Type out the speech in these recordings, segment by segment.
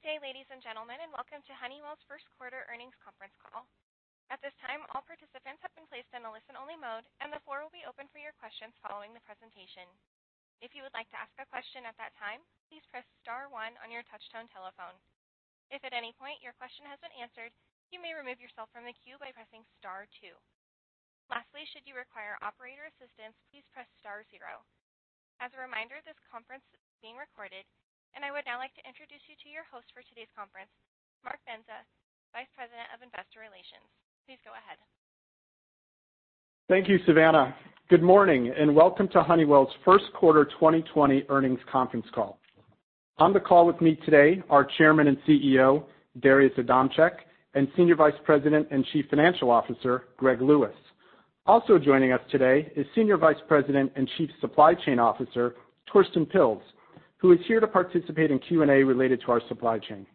Good day, ladies and gentlemen, and welcome to Honeywell's first quarter earnings conference call. At this time, all participants have been placed on a listen-only mode, and the floor will be open for your questions following the presentation. If you would like to ask a question at that time, please press star one on your touch-tone telephone. If at any point your question has been answered, you may remove yourself from the queue by pressing star two. Lastly, should you require operator assistance, please press star zero. As a reminder, this conference is being recorded, and I would now like to introduce you to your host for today's conference, Mark Bendza, Vice President of Investor Relations. Please go ahead. Thank you, Savannah. Good morning, and welcome to Honeywell's first quarter 2020 earnings conference call. On the call with me today are Chairman and CEO, Darius Adamczyk, and Senior Vice President and Chief Financial Officer, Greg Lewis. Also joining us today is Senior Vice President and Chief Supply Chain Officer, Torsten Pilz, who is here to participate in Q&A related to our supply chain.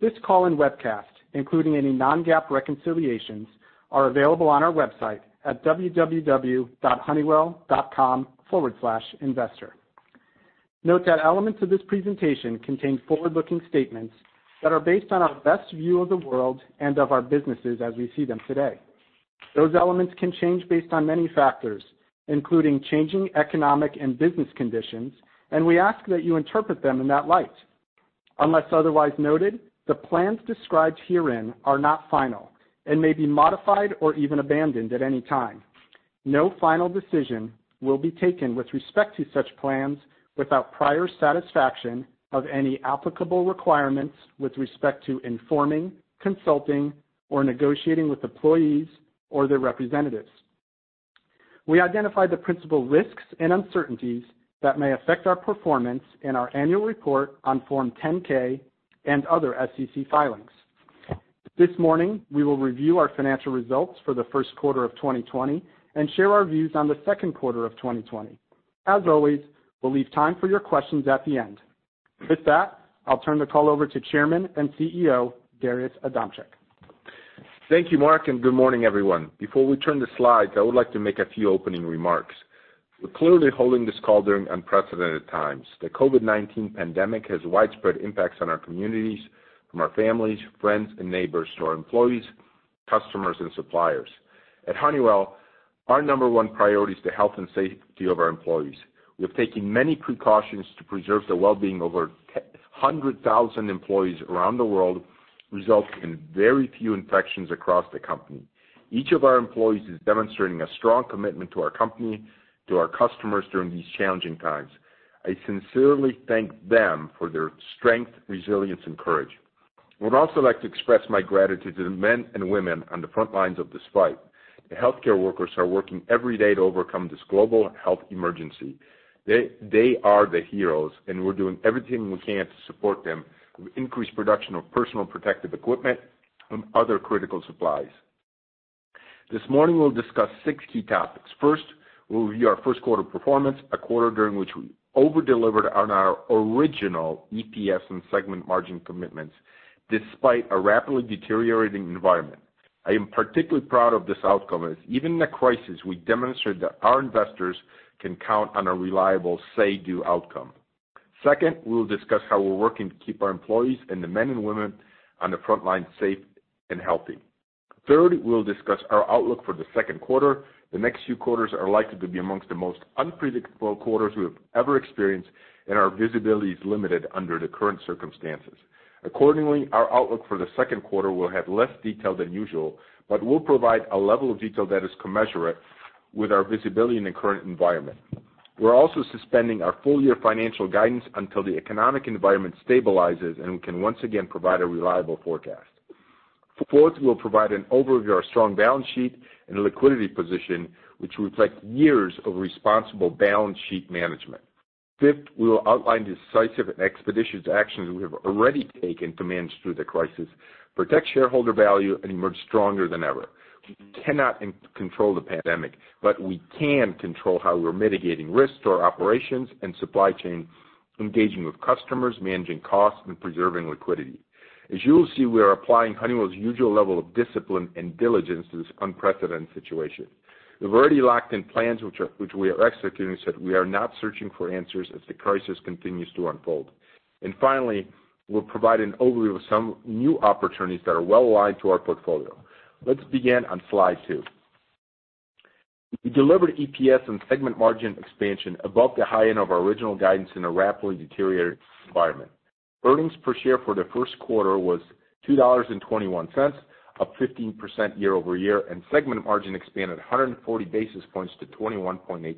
This call and webcast, including any non-GAAP reconciliations, are available on our website at www.honeywell.com/investor. Note that elements of this presentation contain forward-looking statements that are based on our best view of the world and of our businesses as we see them today. Those elements can change based on many factors, including changing economic and business conditions, and we ask that you interpret them in that light. Unless otherwise noted, the plans described herein are not final and may be modified or even abandoned at any time. No final decision will be taken with respect to such plans without prior satisfaction of any applicable requirements with respect to informing, consulting, or negotiating with employees or their representatives. We identify the principal risks and uncertainties that may affect our performance in our Annual Report on Form 10-K and other SEC filings. This morning, we will review our financial results for the first quarter of 2020 and share our views on the second quarter of 2020. As always, we'll leave time for your questions at the end. With that, I'll turn the call over to Chairman and CEO, Darius Adamczyk. Thank you, Mark, and good morning, everyone. Before we turn to slides, I would like to make a few opening remarks. We're clearly holding this call during unprecedented times. The COVID-19 pandemic has widespread impacts on our communities, from our families, friends, and neighbors, to our employees, customers, and suppliers. At Honeywell, our number one priority is the health and safety of our employees. We have taken many precautions to preserve the well-being of over 100,000 employees around the world, resulting in very few infections across the company. Each of our employees is demonstrating a strong commitment to our company, to our customers during these challenging times. I sincerely thank them for their strength, resilience, and courage. I would also like to express my gratitude to the men and women on the front lines of this fight. The healthcare workers are working every day to overcome this global health emergency. They are the heroes, and we're doing everything we can to support them with increased production of personal protective equipment and other critical supplies. This morning, we'll discuss six key topics. First, we'll review our first quarter performance, a quarter during which we over-delivered on our original EPS and segment margin commitments, despite a rapidly deteriorating environment. I am particularly proud of this outcome, as even in a crisis, we demonstrated that our investors can count on a reliable say, do outcome. Second, we will discuss how we're working to keep our employees and the men and women on the front line safe and healthy. Third, we'll discuss our outlook for the second quarter. The next few quarters are likely to be amongst the most unpredictable quarters we have ever experienced, and our visibility is limited under the current circumstances. Accordingly, our outlook for the second quarter will have less detail than usual, but we'll provide a level of detail that is commensurate with our visibility in the current environment. We're also suspending our full-year financial guidance until the economic environment stabilizes, and we can once again provide a reliable forecast. Fourth, we'll provide an overview of our strong balance sheet and liquidity position, which reflect years of responsible balance sheet management. Fifth, we will outline decisive and expeditious actions we have already taken to manage through the crisis, protect shareholder value, and emerge stronger than ever. We cannot control the pandemic, but we can control how we're mitigating risks to our operations and supply chain, engaging with customers, managing costs, and preserving liquidity. As you will see, we are applying Honeywell's usual level of discipline and diligence to this unprecedented situation. We've already locked in plans which we are executing, so we are not searching for answers as the crisis continues to unfold. Finally, we'll provide an overview of some new opportunities that are well aligned to our portfolio. Let's begin on slide two. We delivered EPS and segment margin expansion above the high end of our original guidance in a rapidly deteriorating environment. Earnings per share for the first quarter was $2.21, up 15% year-over-year, and segment margin expanded 140 basis points to 21.8%.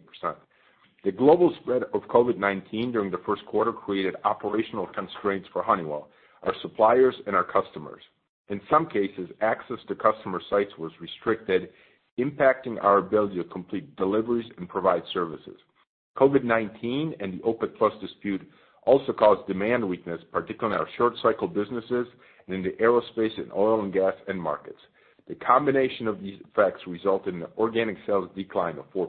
The global spread of COVID-19 during the first quarter created operational constraints for Honeywell, our suppliers, and our customers. In some cases, access to customer sites was restricted, impacting our ability to complete deliveries and provide services. COVID-19 and the OPEC+ dispute also caused demand weakness, particularly in our short cycle businesses and in the aerospace and oil and gas end markets. The combination of these effects resulted in an organic sales decline of 4%.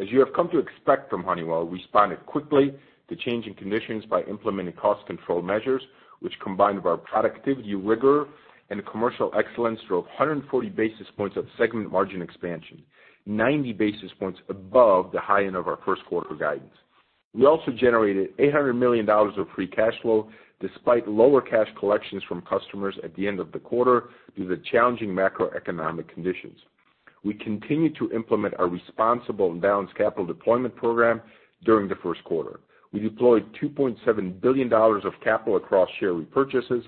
As you have come to expect from Honeywell, we responded quickly to changing conditions by implementing cost control measures, which combined with our productivity rigor and commercial excellence, drove 140 basis points of segment margin expansion. 90 basis points above the high end of our first quarter guidance. We also generated $800 million of free cash flow, despite lower cash collections from customers at the end of the quarter due to the challenging macroeconomic conditions. We continue to implement a responsible and balanced capital deployment program during the first quarter. We deployed $2.7 billion of capital across share repurchases,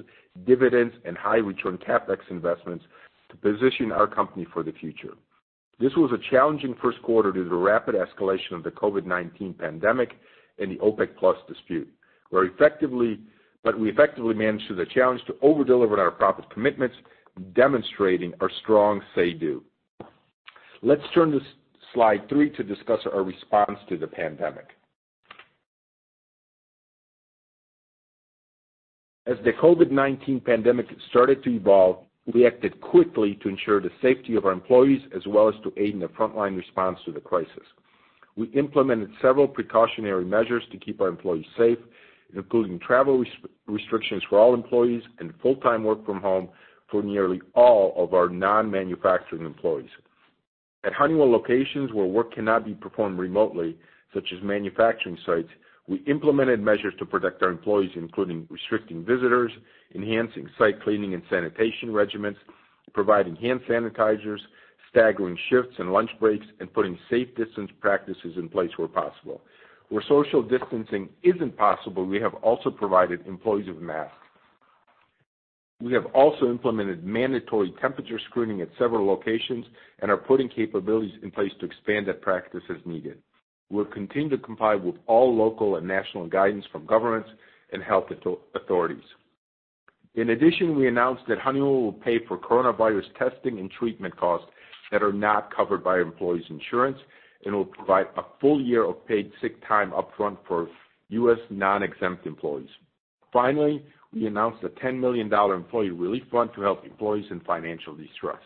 dividends, and high return CapEx investments to position our company for the future. This was a challenging first quarter due to the rapid escalation of the COVID-19 pandemic and the OPEC+ dispute. We effectively managed through the challenge to over-deliver on our profit commitments, demonstrating our strong say do. Let's turn to slide three to discuss our response to the pandemic. As the COVID-19 pandemic started to evolve, we acted quickly to ensure the safety of our employees, as well as to aid in the frontline response to the crisis. We implemented several precautionary measures to keep our employees safe, including travel restrictions for all employees and full-time work from home for nearly all of our non-manufacturing employees. At Honeywell locations where work cannot be performed remotely, such as manufacturing sites, we implemented measures to protect our employees, including restricting visitors, enhancing site cleaning and sanitation regimens, providing hand sanitizers, staggering shifts and lunch breaks, and putting safe distance practices in place where possible. Where social distancing isn't possible, we have also provided employees with masks. We have also implemented mandatory temperature screening at several locations and are putting capabilities in place to expand that practice as needed. We'll continue to comply with all local and national guidance from governments and health authorities. We announced that Honeywell will pay for coronavirus testing and treatment costs that are not covered by employees' insurance and will provide a full year of paid sick time upfront for U.S. non-exempt employees. We announced a $10 million employee relief fund to help employees in financial distress.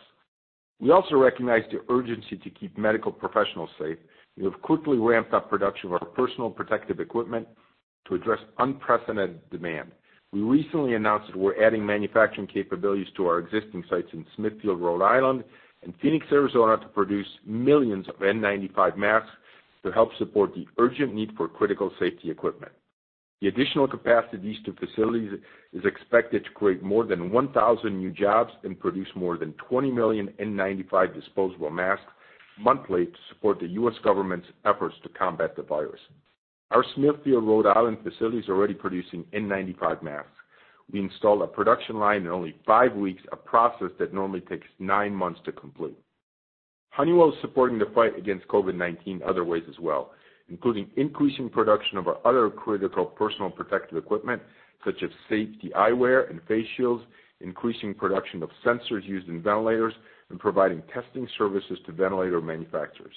We also recognize the urgency to keep medical professionals safe. We have quickly ramped up production of our personal protective equipment to address unprecedented demand. We recently announced that we're adding manufacturing capabilities to our existing sites in Smithfield, Rhode Island and Phoenix, Arizona, to produce millions of N95 masks to help support the urgent need for critical safety equipment. The additional capacity to facilities is expected to create more than 1,000 new jobs and produce more than 20 million N95 disposable masks monthly to support the U.S. government's efforts to combat the virus. Our Smithfield, Rhode Island facility is already producing N95 masks. We installed a production line in only five weeks, a process that normally takes nine months to complete. Honeywell is supporting the fight against COVID-19 in other ways as well, including increasing production of our other critical personal protective equipment, such as safety eyewear and face shields, increasing production of sensors used in ventilators, and providing testing services to ventilator manufacturers.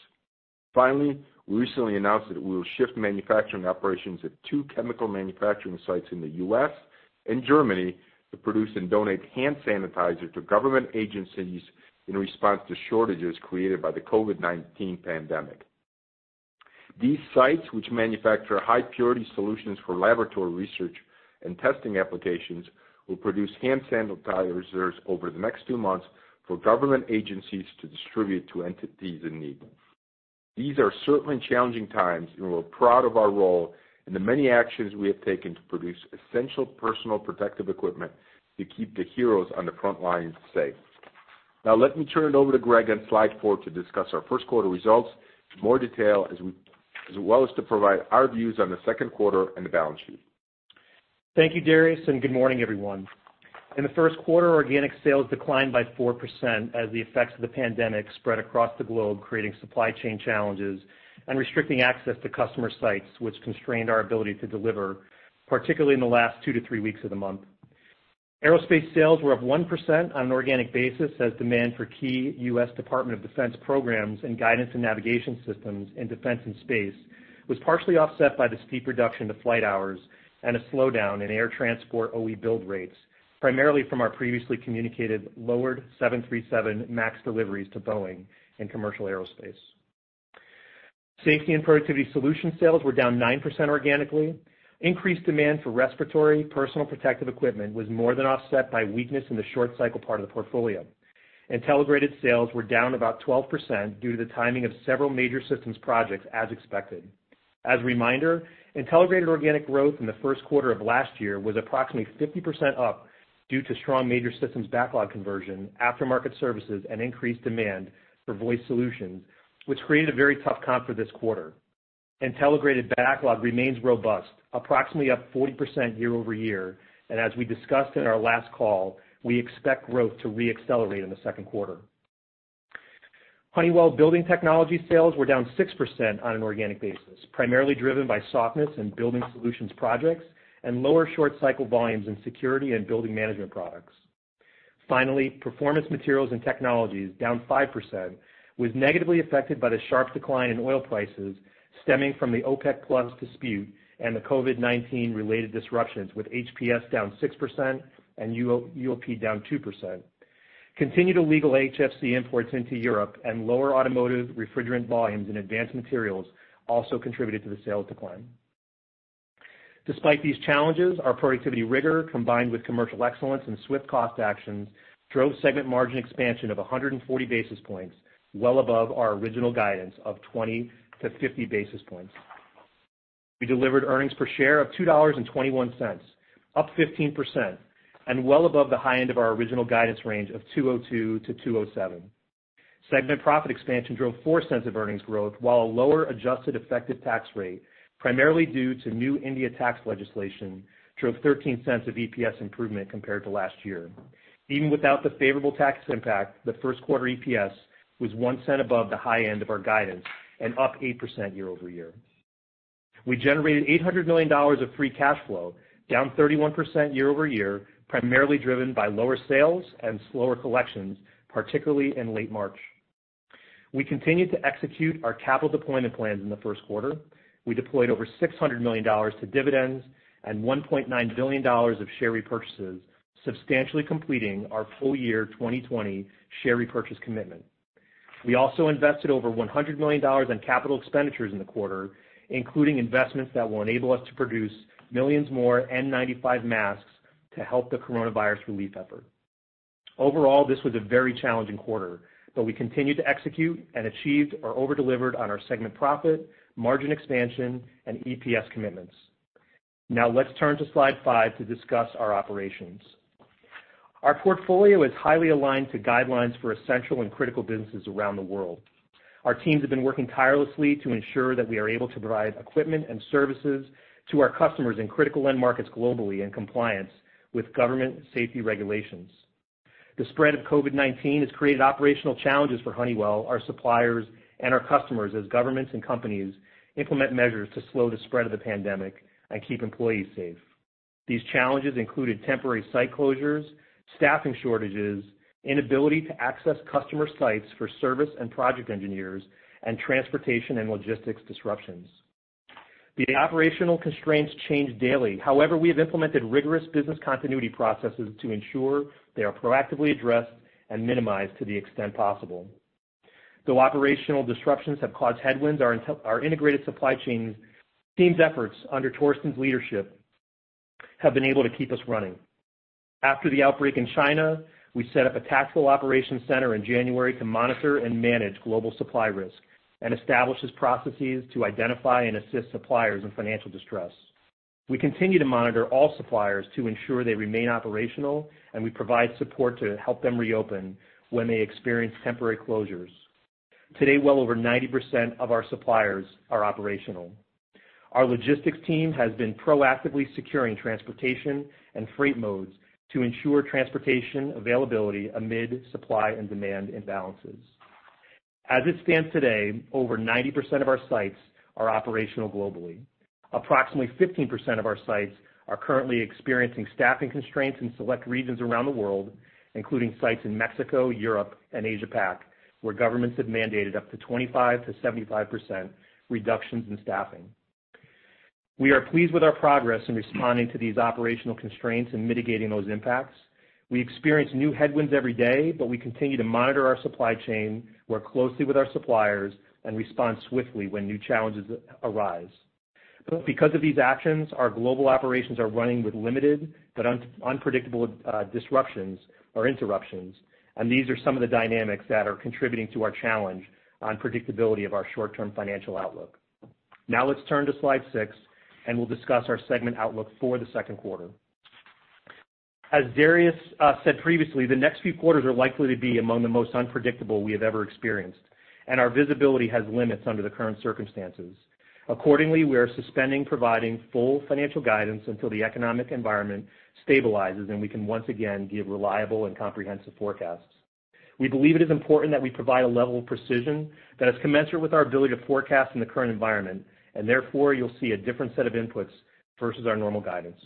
Finally, we recently announced that we will shift manufacturing operations at two chemical manufacturing sites in the U.S. and Germany to produce and donate hand sanitizer to government agencies in response to shortages created by the COVID-19 pandemic. These sites, which manufacture high purity solutions for laboratory research and testing applications, will produce hand sanitizers over the next two months for government agencies to distribute to entities in need. These are certainly challenging times, and we're proud of our role and the many actions we have taken to produce essential Personal Protective Equipment to keep the heroes on the front lines safe. Now, let me turn it over to Greg on slide four to discuss our first quarter results in more detail, as well as to provide our views on the second quarter and the balance sheet. Thank you, Darius. Good morning, everyone. In the first quarter, organic sales declined by 4% as the effects of the pandemic spread across the globe, creating supply chain challenges and restricting access to customer sites, which constrained our ability to deliver, particularly in the last two to three weeks of the month. Aerospace sales were up 1% on an organic basis as demand for key U.S. Department of Defense programs and guidance and navigation systems in Defense & Space was partially offset by the steep reduction of flight hours and a slowdown in air transport OE build rates, primarily from our previously communicated lowered 737 MAX deliveries to Boeing and commercial aerospace. Safety and Productivity Solutions sales were down 9% organically. Increased demand for respiratory personal protective equipment was more than offset by weakness in the short cycle part of the portfolio. Intelligrated sales were down about 12% due to the timing of several major systems projects, as expected. As a reminder, Intelligrated organic growth in the first quarter of last year was approximately 50% up due to strong major systems backlog conversion, aftermarket services, and increased demand for voice solutions, which created a very tough comp for this quarter. Intelligrated backlog remains robust, approximately up 40% year-over-year. As we discussed in our last call, we expect growth to re-accelerate in the second quarter. Honeywell Building Technologies sales were down 6% on an organic basis, primarily driven by softness in Building Solutions projects and lower short cycle volumes in security and building management products. Finally, Performance Materials and Technologies, down 5%, was negatively affected by the sharp decline in oil prices stemming from the OPEC+ dispute and the COVID-19 related disruptions, with HPS down 6% and UOP down 2%. Continued illegal HFC imports into Europe and lower automotive refrigerant volumes in Advanced Materials also contributed to the sales decline. Despite these challenges, our productivity rigor, combined with commercial excellence and swift cost actions, drove segment margin expansion of 140 basis points, well above our original guidance of 20 to 50 basis points. We delivered earnings per share of $2.21, up 15%, and well above the high end of our original guidance range of $2.02-$2.07. Segment profit expansion drove $0.04 of earnings growth while a lower adjusted effective tax rate, primarily due to new India tax legislation, drove $0.13 of EPS improvement compared to last year. Even without the favorable tax impact, the first quarter EPS was $0.01 above the high end of our guidance and up 8% year-over-year. We generated $800 million of free cash flow, down 31% year-over-year, primarily driven by lower sales and slower collections, particularly in late March. We continued to execute our capital deployment plans in the first quarter. We deployed over $600 million to dividends and $1.9 billion of share repurchases, substantially completing our full year 2020 share repurchase commitment. We also invested over $100 million in capital expenditures in the quarter, including investments that will enable us to produce millions more N95 masks to help the coronavirus relief effort. Overall, this was a very challenging quarter, but we continued to execute and achieved or over-delivered on our segment profit, margin expansion, and EPS commitments. Now let's turn to slide five to discuss our operations. Our portfolio is highly aligned to guidelines for essential and critical businesses around the world. Our teams have been working tirelessly to ensure that we are able to provide equipment and services to our customers in critical end markets globally in compliance with government safety regulations. The spread of COVID-19 has created operational challenges for Honeywell, our suppliers, and our customers as governments and companies implement measures to slow the spread of the pandemic and keep employees safe. These challenges included temporary site closures, staffing shortages, inability to access customer sites for service and project engineers, and transportation and logistics disruptions. The operational constraints change daily. However, we have implemented rigorous business continuity processes to ensure they are proactively addressed and minimized to the extent possible. Though operational disruptions have caused headwinds, our integrated supply chain team's efforts under Torsten's leadership have been able to keep us running. After the outbreak in China, we set up a tactical operations center in January to monitor and manage global supply risk and establishes processes to identify and assist suppliers in financial distress. We continue to monitor all suppliers to ensure they remain operational, and we provide support to help them reopen when they experience temporary closures. Today, well over 90% of our suppliers are operational. Our logistics team has been proactively securing transportation and freight modes to ensure transportation availability amid supply and demand imbalances. As it stands today, over 90% of our sites are operational globally. Approximately 15% of our sites are currently experiencing staffing constraints in select regions around the world, including sites in Mexico, Europe, and Asia-Pac, where governments have mandated up to 25%-75% reductions in staffing. We are pleased with our progress in responding to these operational constraints and mitigating those impacts. We experience new headwinds every day, we continue to monitor our supply chain, work closely with our suppliers, and respond swiftly when new challenges arise. Because of these actions, our global operations are running with limited but unpredictable disruptions or interruptions, and these are some of the dynamics that are contributing to our challenge on predictability of our short-term financial outlook. Let's turn to slide six, we'll discuss our segment outlook for the second quarter. As Darius said previously, the next few quarters are likely to be among the most unpredictable we have ever experienced, and our visibility has limits under the current circumstances. Accordingly, we are suspending providing full financial guidance until the economic environment stabilizes and we can once again give reliable and comprehensive forecasts. We believe it is important that we provide a level of precision that is commensurate with our ability to forecast in the current environment, and therefore, you'll see a different set of inputs versus our normal guidance.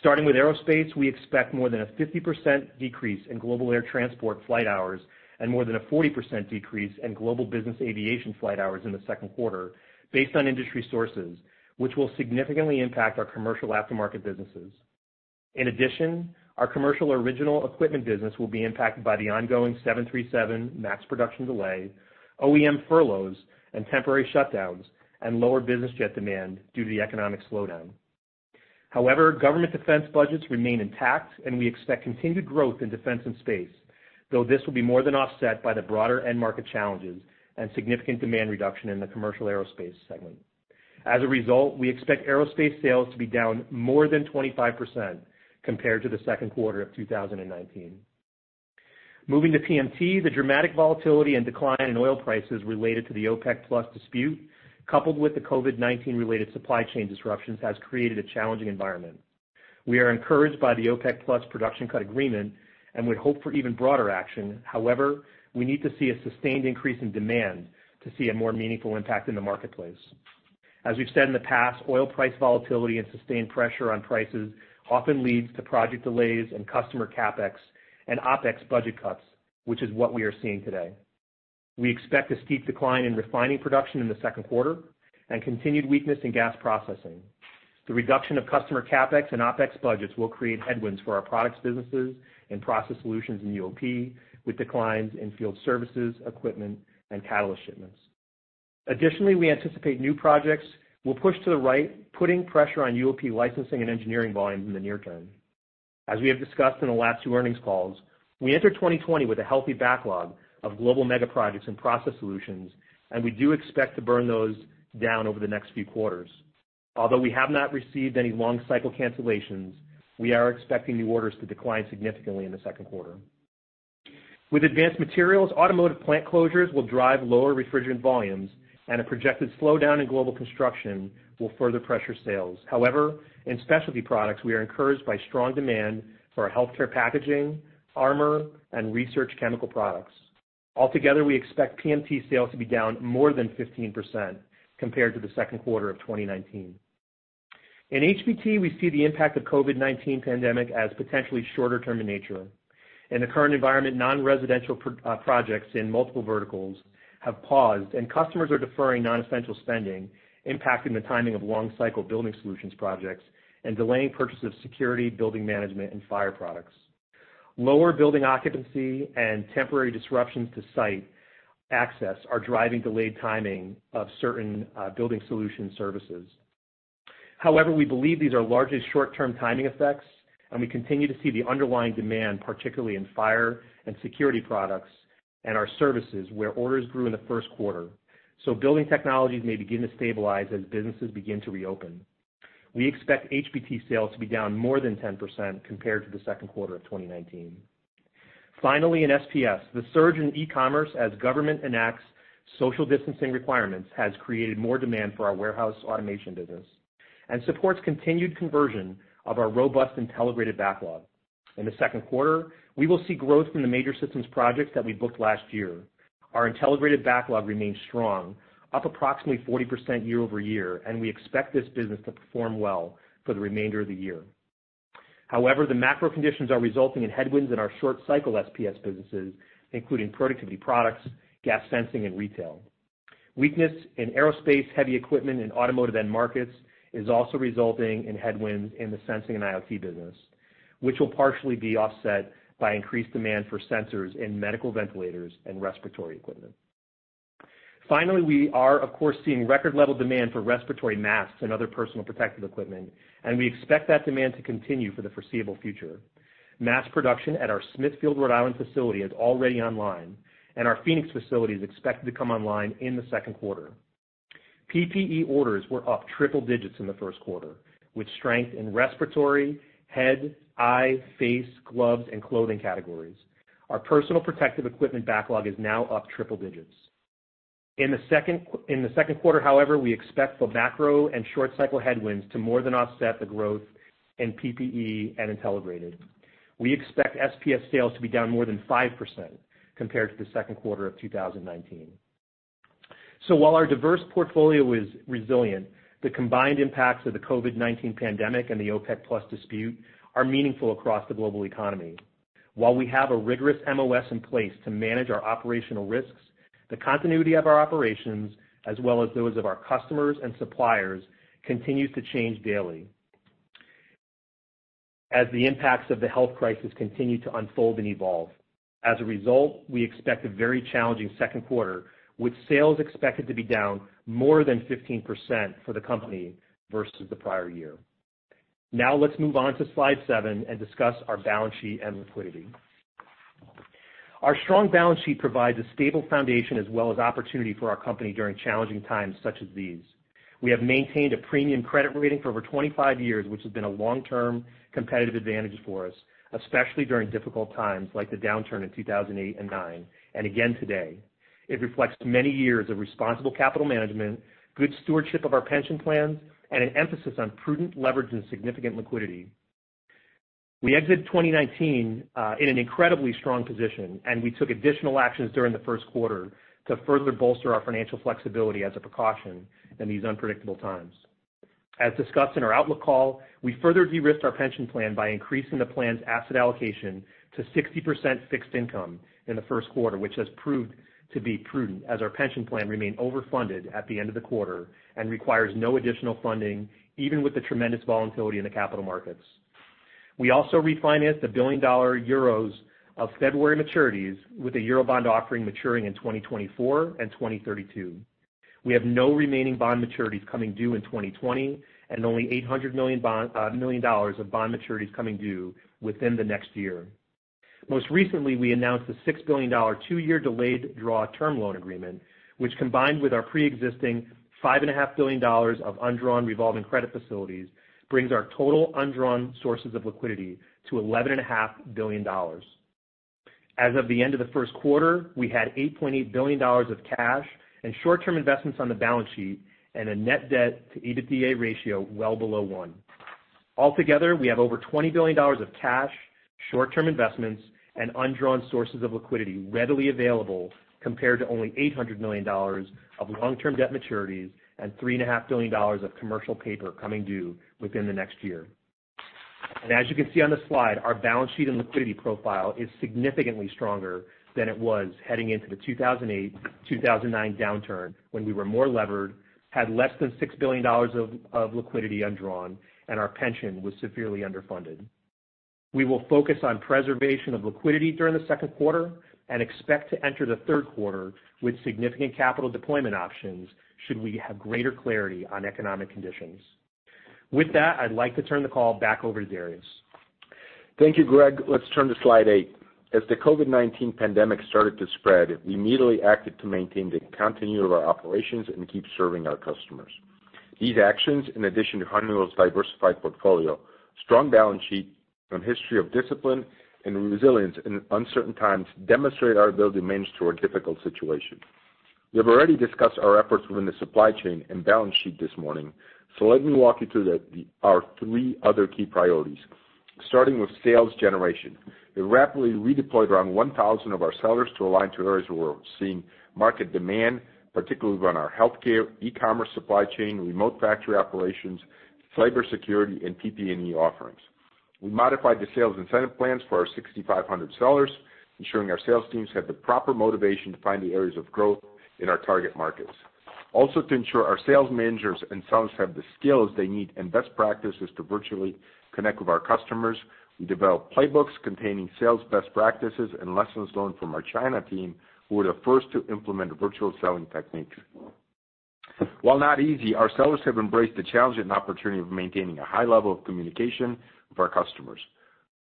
Starting with Aerospace, we expect more than a 50% decrease in global air transport flight hours and more than a 40% decrease in global business aviation flight hours in the second quarter based on industry sources, which will significantly impact our commercial aftermarket businesses. In addition, our commercial original equipment business will be impacted by the ongoing 737 MAX production delay, OEM furloughs and temporary shutdowns, and lower business jet demand due to the economic slowdown. However, government defense budgets remain intact, and we expect continued growth in Defense & Space, though this will be more than offset by the broader end market challenges and significant demand reduction in the commercial aerospace segment. As a result, we expect Aerospace sales to be down more than 25% compared to the second quarter of 2019. Moving to PMT, the dramatic volatility and decline in oil prices related to the OPEC+ dispute, coupled with the COVID-19 related supply chain disruptions, has created a challenging environment. We are encouraged by the OPEC+ production cut agreement and would hope for even broader action. However, we need to see a sustained increase in demand to see a more meaningful impact in the marketplace. As we've said in the past, oil price volatility and sustained pressure on prices often leads to project delays and customer CapEx and OpEx budget cuts, which is what we are seeing today. We expect a steep decline in refining production in the second quarter and continued weakness in gas processing. The reduction of customer CapEx and OpEx budgets will create headwinds for our products businesses and Process Solutions in UOP with declines in field services, equipment, and catalyst shipments. Additionally, we anticipate new projects will push to the right, putting pressure on UOP licensing and engineering volumes in the near term. As we have discussed in the last two earnings calls, we entered 2020 with a healthy backlog of global mega projects in Process Solutions, and we do expect to burn those down over the next few quarters. Although we have not received any long cycle cancellations, we are expecting new orders to decline significantly in the second quarter. With Advanced Materials, automotive plant closures will drive lower refrigerant volumes and a projected slowdown in global construction will further pressure sales. However, in specialty products, we are encouraged by strong demand for our healthcare packaging, armor, and research chemical products. Altogether, we expect PMT sales to be down more than 15% compared to the second quarter of 2019. In HBT, we see the impact of COVID-19 pandemic as potentially shorter term in nature. In the current environment, non-residential projects in multiple verticals have paused, and customers are deferring non-essential spending, impacting the timing of long cycle Building Solutions projects and delaying purchase of security, building management, and fire products. Lower building occupancy and temporary disruptions to site access are driving delayed timing of certain Building Solutions services. However, we believe these are largely short-term timing effects, and we continue to see the underlying demand, particularly in fire and security products and our services where orders grew in the first quarter. Building Technologies may begin to stabilize as businesses begin to reopen. We expect HBT sales to be down more than 10% compared to the second quarter of 2019. Finally, in SPS, the surge in e-commerce as government enacts social distancing requirements has created more demand for our warehouse automation business and supports continued conversion of our robust Intelligrated backlog. In the second quarter, we will see growth from the major systems projects that we booked last year. Our Intelligrated backlog remains strong, up approximately 40% year-over-year, and we expect this business to perform well for the remainder of the year. However, the macro conditions are resulting in headwinds in our short cycle SPS businesses, including productivity products, gas sensing, and retail. Weakness in Aerospace, heavy equipment, and automotive end markets is also resulting in headwinds in the sensing and IoT business, which will partially be offset by increased demand for sensors in medical ventilators and respiratory equipment. Finally, we are of course, seeing record level demand for respiratory masks and other Personal Protective Equipment, and we expect that demand to continue for the foreseeable future. Mask production at our Smithfield, Rhode Island facility is already online, and our Phoenix facility is expected to come online in the second quarter. PPE orders were up triple-digits in the first quarter, with strength in respiratory, head, eye, face, gloves, and clothing categories. Our Personal Protective Equipment backlog is now up triple digits. In the second quarter however, we expect the macro and short cycle headwinds to more than offset the growth in PPE and Intelligrated. We expect SPS sales to be down more than 5% compared to the second quarter of 2019. While our diverse portfolio is resilient, the combined impacts of the COVID-19 pandemic and the OPEC+ dispute are meaningful across the global economy. While we have a rigorous MOS in place to manage our operational risks, the continuity of our operations, as well as those of our customers and suppliers, continues to change daily as the impacts of the health crisis continue to unfold and evolve. As a result, we expect a very challenging second quarter, with sales expected to be down more than 15% for the company versus the prior year. Now let's move on to slide seven and discuss our balance sheet and liquidity. Our strong balance sheet provides a stable foundation as well as opportunity for our company during challenging times such as these. We have maintained a premium credit rating for over 25 years, which has been a long-term competitive advantage for us, especially during difficult times like the downturn in 2008 and 2009, and again today. It reflects many years of responsible capital management, good stewardship of our pension plans, and an emphasis on prudent leverage and significant liquidity. We exit 2019 in an incredibly strong position, and we took additional actions during the first quarter to further bolster our financial flexibility as a precaution in these unpredictable times. As discussed in our outlook call, we further de-risked our pension plan by increasing the plan's asset allocation to 60% fixed income in the first quarter, which has proved to be prudent as our pension plan remained overfunded at the end of the quarter and requires no additional funding, even with the tremendous volatility in the capital markets. We also refinanced 1 billion euros of February maturities with a euro bond offering maturing in 2024 and 2032. We have no remaining bond maturities coming due in 2020 and only $800 million of bond maturities coming due within the next year. Most recently, we announced a $6 billion two-year delayed draw term loan agreement, which combined with our preexisting $5.5 billion of undrawn revolving credit facilities, brings our total undrawn sources of liquidity to $11.5 billion. As of the end of the first quarter, we had $8.8 billion of cash and short-term investments on the balance sheet and a net debt to EBITDA ratio well below 1x. Altogether, we have over $20 billion of cash, short-term investments, and undrawn sources of liquidity readily available compared to only $800 million of long-term debt maturities and $3.5 billion of commercial paper coming due within the next year. As you can see on the slide, our balance sheet and liquidity profile is significantly stronger than it was heading into the 2008, 2009 downturn when we were more levered, had less than $6 billion of liquidity undrawn, and our pension was severely underfunded. We will focus on preservation of liquidity during the second quarter and expect to enter the third quarter with significant capital deployment options should we have greater clarity on economic conditions. With that, I'd like to turn the call back over to Darius. Thank you, Greg. Let's turn to slide eight. As the COVID-19 pandemic started to spread, we immediately acted to maintain the continuity of our operations and keep serving our customers. These actions, in addition to Honeywell's diversified portfolio, strong balance sheet, and history of discipline and resilience in uncertain times, demonstrate our ability to manage through a difficult situation. We have already discussed our efforts within the supply chain and balance sheet this morning, so let me walk you through our three other key priorities. Starting with sales generation. We rapidly redeployed around 1,000 of our sellers to align to areas where we're seeing market demand, particularly around our healthcare, e-commerce supply chain, remote factory operations, cybersecurity, and PPE offerings. We modified the sales incentive plans for our 6,500 sellers, ensuring our sales teams had the proper motivation to find the areas of growth in our target markets. To ensure our sales managers and sellers have the skills they need and best practices to virtually connect with our customers, we developed playbooks containing sales best practices and lessons learned from our China team, who were the first to implement virtual selling techniques. While not easy, our sellers have embraced the challenge and opportunity of maintaining a high level of communication with our customers.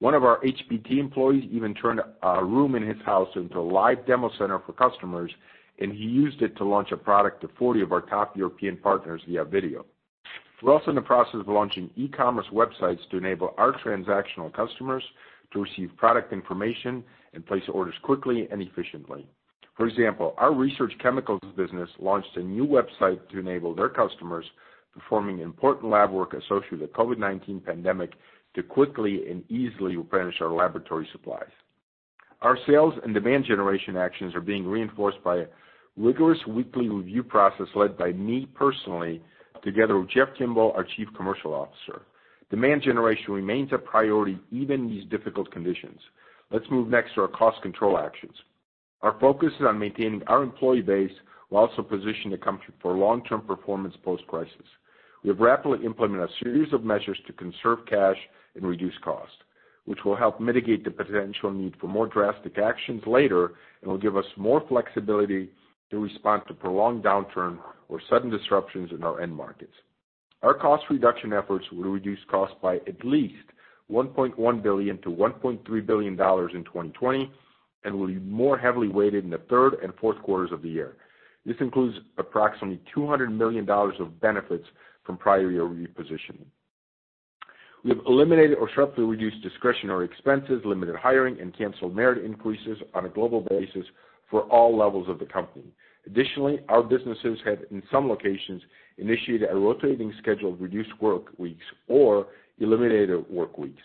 One of our HBT employees even turned a room in his house into a live demo center for customers, and he used it to launch a product to 40 of our top European partners via video. We're also in the process of launching e-commerce websites to enable our transactional customers to receive product information and place orders quickly and efficiently. For example, our research chemicals business launched a new website to enable their customers performing important lab work associated with the COVID-19 pandemic to quickly and easily replenish their laboratory supplies. Our sales and demand generation actions are being reinforced by a rigorous weekly review process led by me personally, together with Jeff Kimbell, our Chief Commercial Officer. Demand generation remains a priority even in these difficult conditions. Let's move next to our cost control actions. Our focus is on maintaining our employee base while also positioning the company for long term performance post-crisis. We have rapidly implemented a series of measures to conserve cash and reduce cost, which will help mitigate the potential need for more drastic actions later and will give us more flexibility to respond to prolonged downturn or sudden disruptions in our end markets. Our cost reduction efforts will reduce costs by at least $1.1 billion to $1.3 billion in 2020 and will be more heavily weighted in the third and fourth quarters of the year. This includes approximately $200 million of benefits from prior year repositioning. We have eliminated or sharply reduced discretionary expenses, limited hiring, and canceled merit increases on a global basis for all levels of the company. Additionally, our businesses have, in some locations, initiated a rotating schedule of reduced work weeks or eliminated work weeks.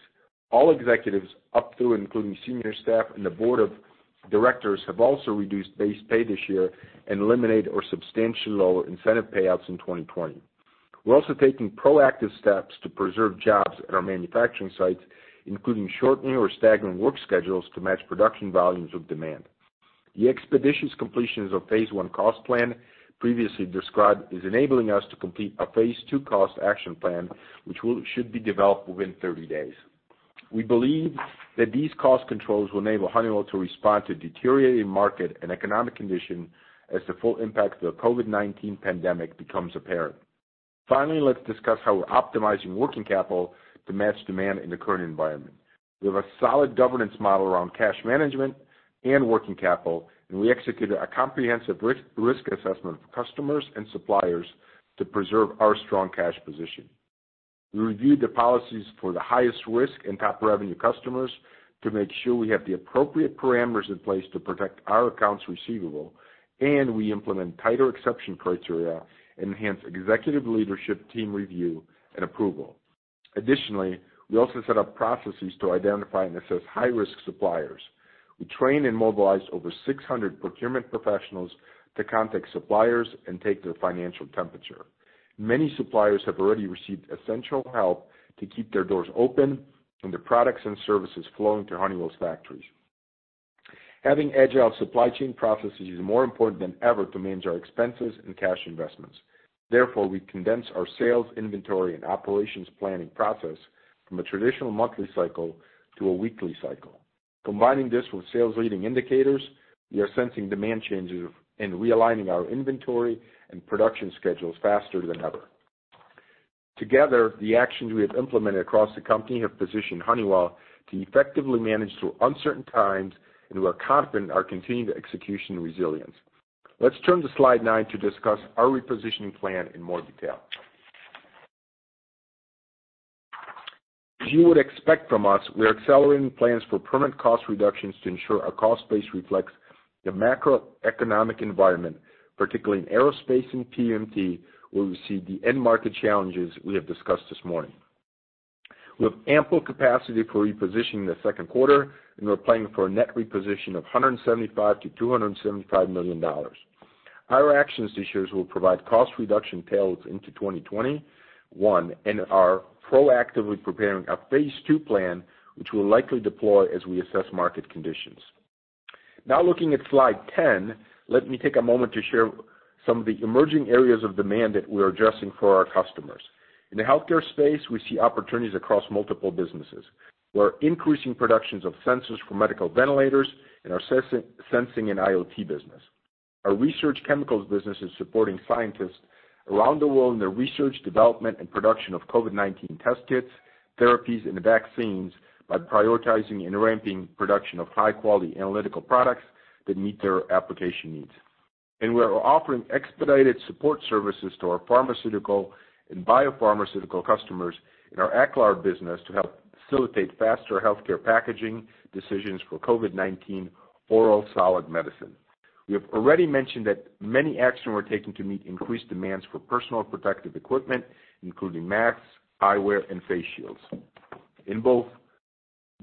All executives up to and including senior staff and the board of directors have also reduced base pay this year and eliminated or substantially lower incentive payouts in 2020. We're also taking proactive steps to preserve jobs at our manufacturing sites, including shortening or staggering work schedules to match production volumes with demand. The expeditious completions of Phase 1 cost plan previously described is enabling us to complete a Phase 2 cost action plan, which should be developed within 30 days. We believe that these cost controls will enable Honeywell to respond to deteriorating market and economic condition as the full impact of the COVID-19 pandemic becomes apparent. Finally, let's discuss how we're optimizing working capital to match demand in the current environment. We have a solid governance model around cash management and working capital, and we executed a comprehensive risk assessment of customers and suppliers to preserve our strong cash position. We reviewed the policies for the highest risk and top revenue customers to make sure we have the appropriate parameters in place to protect our accounts receivable, and we implement tighter exception criteria, enhance executive leadership team review and approval. Additionally, we also set up processes to identify and assess high risk suppliers. We trained and mobilized over 600 procurement professionals to contact suppliers and take their financial temperature. Many suppliers have already received essential help to keep their doors open and their products and services flowing to Honeywell's factories. Having agile supply chain processes is more important than ever to manage our expenses and cash investments. Therefore, we condense our sales inventory and operations planning process from a traditional monthly cycle to a weekly cycle. Combining this with sales leading indicators, we are sensing demand changes and realigning our inventory and production schedules faster than ever. Together, the actions we have implemented across the company have positioned Honeywell to effectively manage through uncertain times, and we're confident in our continued execution and resilience. Let's turn to slide nine to discuss our repositioning plan in more detail. As you would expect from us, we are accelerating plans for permanent cost reductions to ensure our cost base reflects the macroeconomic environment, particularly in Aerospace and PMT, where we see the end market challenges we have discussed this morning. We have ample capacity for repositioning in the second quarter, we're planning for a net reposition of $175 million-$275 million. Our actions this year will provide cost reduction tails into 2021 and are proactively preparing a Phase 2 plan, which we'll likely deploy as we assess market conditions. Looking at slide 10, let me take a moment to share some of the emerging areas of demand that we're addressing for our customers. In the healthcare space, we see opportunities across multiple businesses. We're increasing productions of sensors for medical ventilators in our sensing and IoT business. Our research chemicals business is supporting scientists around the world in their research, development, and production of COVID-19 test kits, therapies, and vaccines by prioritizing and ramping production of high-quality analytical products that meet their application needs. We are offering expedited support services to our pharmaceutical and biopharmaceutical customers in our Aclar business to help facilitate faster healthcare packaging decisions for COVID-19 oral solid medicine. We have already mentioned that many actions were taken to meet increased demands for personal protective equipment, including masks, eyewear, and face shields. In both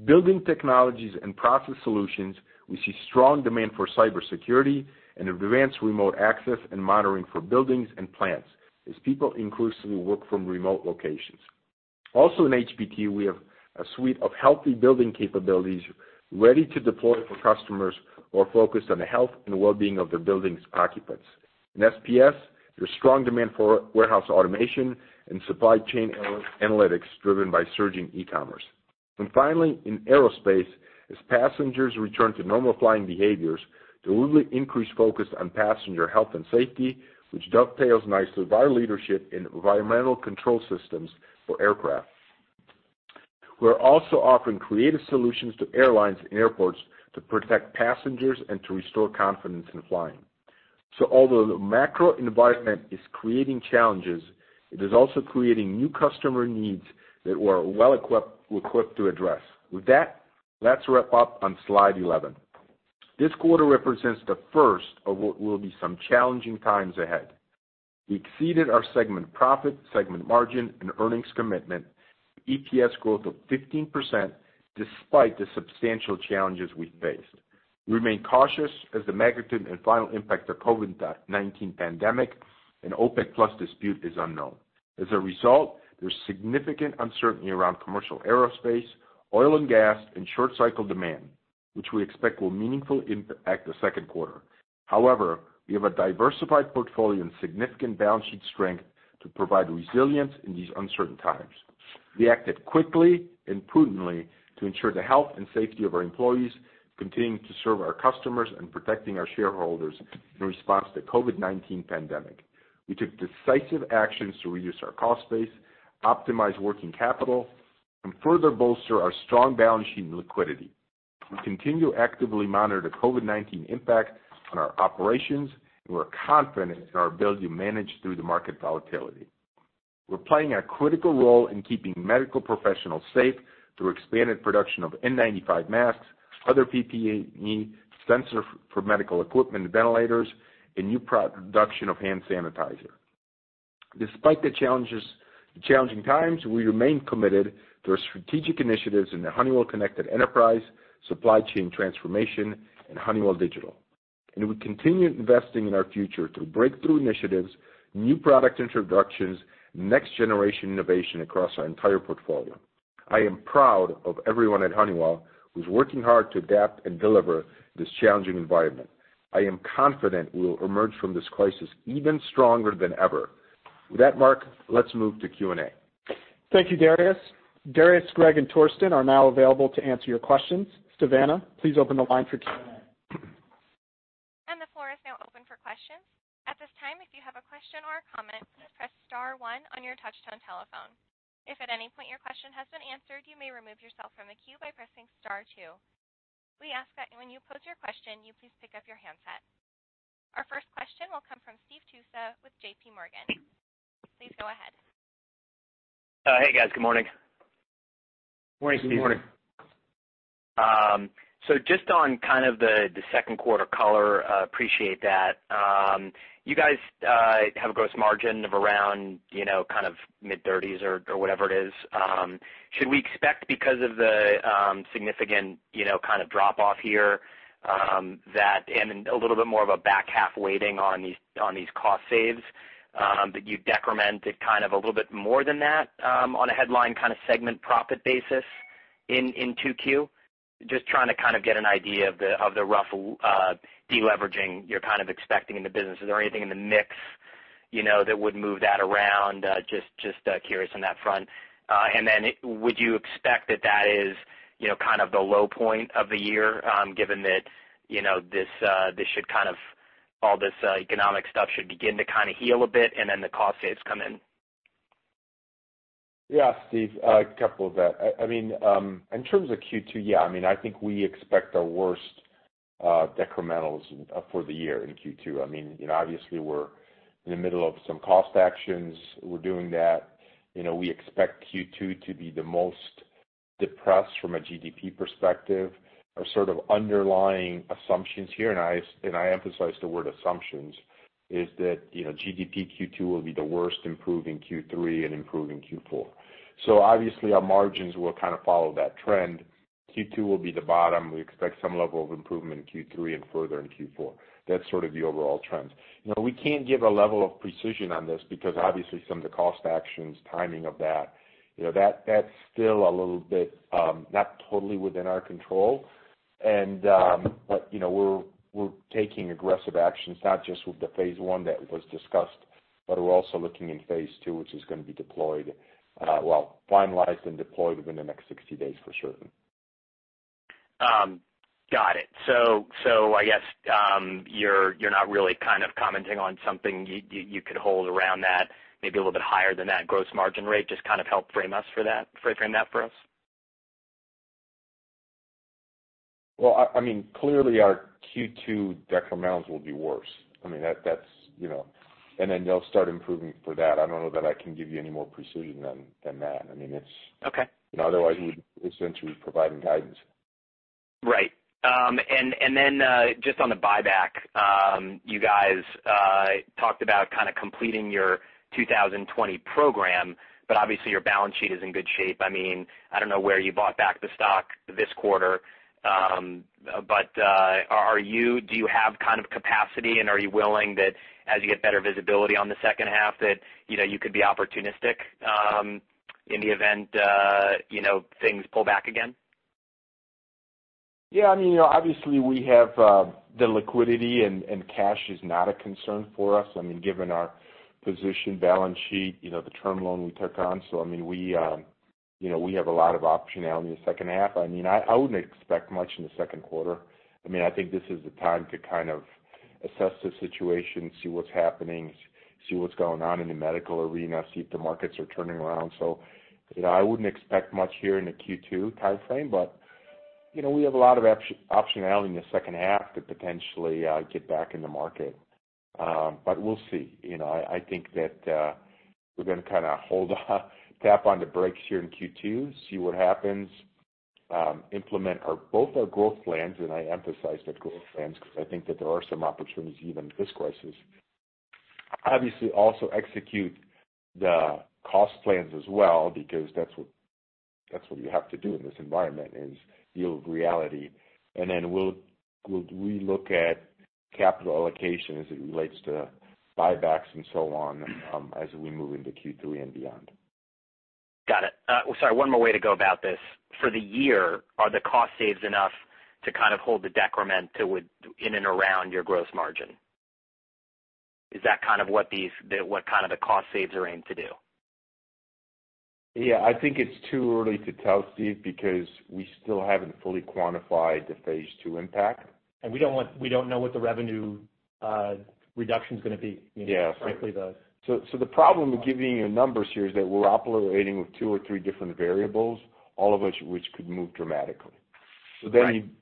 Building Technologies and Process Solutions, we see strong demand for cybersecurity and advanced remote access and monitoring for buildings and plants as people increasingly work from remote locations. Also in HBT, we have a suite of healthy building capabilities ready to deploy for customers who are focused on the health and wellbeing of their building's occupants. In SPS, there's strong demand for warehouse automation and supply chain analytics driven by surging e-commerce. Finally, in Aerospace, as passengers return to normal flying behaviors, there will be increased focus on passenger health and safety, which dovetails nicely with our leadership in environmental control systems for aircraft. We are also offering creative solutions to airlines and airports to protect passengers and to restore confidence in flying. Although the macro environment is creating challenges, it is also creating new customer needs that we're well-equipped to address. With that, let's wrap up on slide 11. This quarter represents the first of what will be some challenging times ahead. We exceeded our segment profit, segment margin, and earnings commitment with EPS growth of 15%, despite the substantial challenges we faced. We remain cautious as the magnitude and final impact of COVID-19 pandemic and OPEC+ dispute is unknown. There's significant uncertainty around commercial aerospace, oil and gas, and short-cycle demand, which we expect will meaningfully impact the second quarter. We have a diversified portfolio and significant balance sheet strength to provide resilience in these uncertain times. We acted quickly and prudently to ensure the health and safety of our employees, continuing to serve our customers, and protecting our shareholders in response to COVID-19 pandemic. We took decisive actions to reduce our cost base, optimize working capital, and further bolster our strong balance sheet and liquidity. We continue to actively monitor the COVID-19 impact on our operations, and we're confident in our ability to manage through the market volatility. We're playing a critical role in keeping medical professionals safe through expanded production of N95 masks, other PPE, sensors for medical equipment and ventilators, and new production of hand sanitizer. Despite the challenging times, we remain committed to our strategic initiatives in the Honeywell Connected Enterprise, supply chain transformation, and Honeywell Digital. We continue investing in our future through breakthrough initiatives, new product introductions, and next-generation innovation across our entire portfolio. I am proud of everyone at Honeywell who's working hard to adapt and deliver in this challenging environment. I am confident we will emerge from this crisis even stronger than ever. With that, Mark, let's move to Q&A. Thank you, Darius. Darius, Greg, and Torsten are now available to answer your questions. Savannah, please open the line for Q&A. The floor is now open for questions. At this time, if you have a question or a comment, please press star one on your touch-tone telephone. If at any point your question has been answered, you may remove yourself from the queue by pressing star two. We ask that when you pose your question, you please pick up your handset. Our first question will come from Steve Tusa with JPMorgan. Please go ahead. Hey, guys. Good morning. Morning, Steve. Good morning. Just on kind of the second quarter color, appreciate that. You guys have a gross margin of around mid-30s or whatever it is. Should we expect, because of the significant kind of drop off here, that and a little bit more of a back half weighting on these cost saves, that you decrement it kind of a little bit more than that on a headline kind of segment profit basis in 2Q? Just trying to kind of get an idea of the rough de-leveraging you're kind of expecting in the business. Is there anything in the mix that would move that around? Just curious on that front. Would you expect that that is kind of the low point of the year, given that all this economic stuff should begin to kind of heal a bit and then the cost saves come in? Steve, a couple of that. In terms of Q2, I think we expect our worst decrementals for the year in Q2. Obviously, we're in the middle of some cost actions. We're doing that. We expect Q2 to be the most depressed from a GDP perspective. Our sort of underlying assumptions here, and I emphasize the word assumptions, is that GDP Q2 will be the worst, improve in Q3, and improve in Q4. Obviously, our margins will kind of follow that trend. Q2 will be the bottom. We expect some level of improvement in Q3 and further in Q4. That's sort of the overall trends. We can't give a level of precision on this because obviously some of the cost actions, timing of that's still a little bit not totally within our control. We're taking aggressive actions, not just with the Phase 1 that was discussed, we're also looking in Phase 2, which is going to be finalized and deployed within the next 60 days for certain. Got it. I guess, you're not really kind of commenting on something you could hold around that, maybe a little bit higher than that gross margin rate. Just kind of help frame that for us. Well, clearly our Q2 decrements will be worse. They'll start improving for that. I don't know that I can give you any more precision than that. Okay. Otherwise, we would essentially be providing guidance. Right. Just on the buyback, you guys talked about completing your 2020 program, but obviously your balance sheet is in good shape. I don't know where you bought back the stock this quarter, but do you have capacity, and are you willing that as you get better visibility on the second half, that you could be opportunistic in the event things pull back again? Obviously, we have the liquidity, and cash is not a concern for us, given our position balance sheet, the term loan we took on. We have a lot of optionality in the second half. I wouldn't expect much in the second quarter. I think this is the time to kind of assess the situation, see what's happening, see what's going on in the medical arena, see if the markets are turning around. I wouldn't expect much here in the Q2 timeframe, but we have a lot of optionality in the second half to potentially get back in the market. We'll see. I think that we're going to kind of hold on, tap on the brakes here in Q2, see what happens, implement both our growth plans, and I emphasize the growth plans because I think that there are some opportunities even in this crisis. Obviously, also execute the cost plans as well, because that's what you have to do in this environment, is deal with reality. Then we'll re-look at capital allocation as it relates to buybacks and so on as we move into Q3 and beyond. Got it. Sorry, one more way to go about this. For the year, are the cost saves enough to kind of hold the decrement in and around your gross margin? Is that what kind of the cost saves are aimed to do? I think it's too early to tell, Steve, because we still haven't fully quantified the Phase 2 impact. We don't know what the revenue reduction's going to be. Yeah. Frankly, the— The problem with giving you numbers here is that we're operating with two or three different variables, all of which could move dramatically. You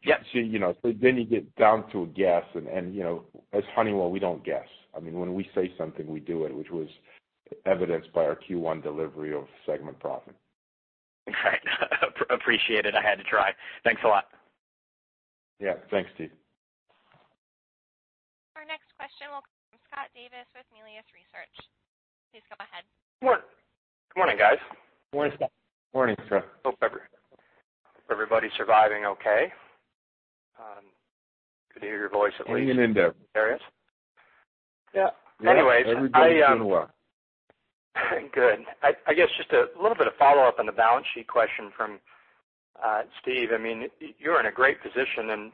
get down to a guess and, as Honeywell, we don't guess. When we say something, we do it, which was evidenced by our Q1 delivery of segment profit. Right. Appreciate it. I had to try. Thanks a lot. Yeah. Thanks, Steve. Our next question will come from Scott Davis with Melius Research. Please go ahead. Good morning, guys. Morning, Scott. Morning, Scott. Hope everybody's surviving okay. Good to hear your voice at least. Hanging in there. Darius? Yeah. Yeah. Anyways. Everybody's doing well. Good. I guess just a little bit of follow-up on the balance sheet question from Steve. You're in a great position and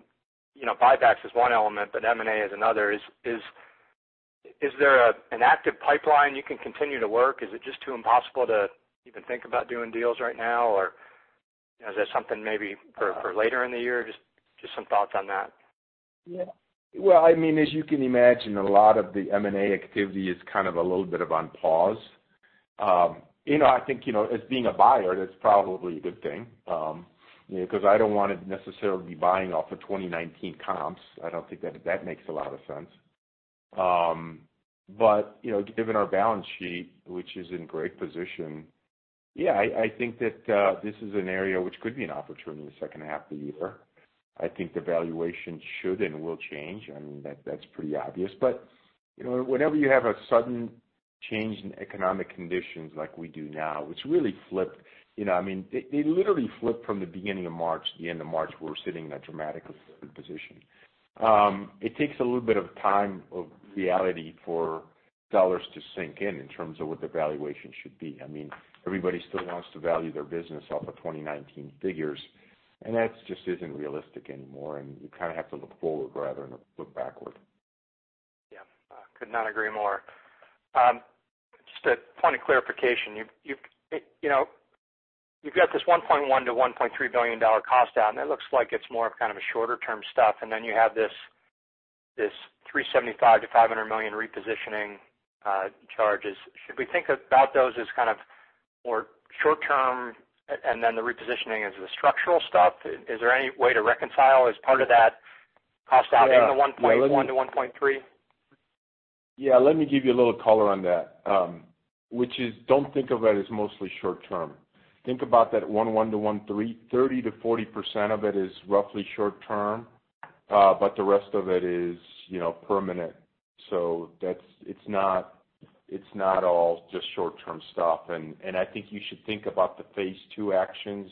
buybacks is one element, but M&A is another. Is there an active pipeline you can continue to work? Is it just too impossible to even think about doing deals right now, or is that something maybe for later in the year? Just some thoughts on that. Yeah. Well, as you can imagine, a lot of the M&A activity is kind of a little bit on pause. I think, as being a buyer, that's probably a good thing. I don't want to necessarily be buying off of 2019 comps. I don't think that makes a lot of sense. Given our balance sheet, which is in great position, yeah, I think that this is an area which could be an opportunity in the second half of the year. I think the valuation should and will change. That's pretty obvious. Whenever you have a sudden change in economic conditions like we do now, which really flipped. They literally flipped from the beginning of March to the end of March. We're sitting in a dramatically different position. It takes a little bit of time of reality for dollars to sink in terms of what the valuation should be. Everybody still wants to value their business off of 2019 figures. That just isn't realistic anymore. You kind of have to look forward rather than look backward. Yeah. Could not agree more. Just a point of clarification. You've got this $1.1 billion to $1.3 billion cost down. That looks like it's more of kind of a shorter-term stuff, and then you have this $375 million-$500 million repositioning charges. Should we think about those as kind of more short-term, and then the repositioning as the structural stuff? Is there any way to reconcile as part of that cost out in the $1.1 billion to $1.3 billion? Yeah, let me give you a little color on that, which is don't think of it as mostly short term. Think about that $1.1 billion to $1.3 billion, 30%-40% of it is roughly short term. The rest of it is permanent. It's not all just short-term stuff, and I think you should think about the Phase 2 actions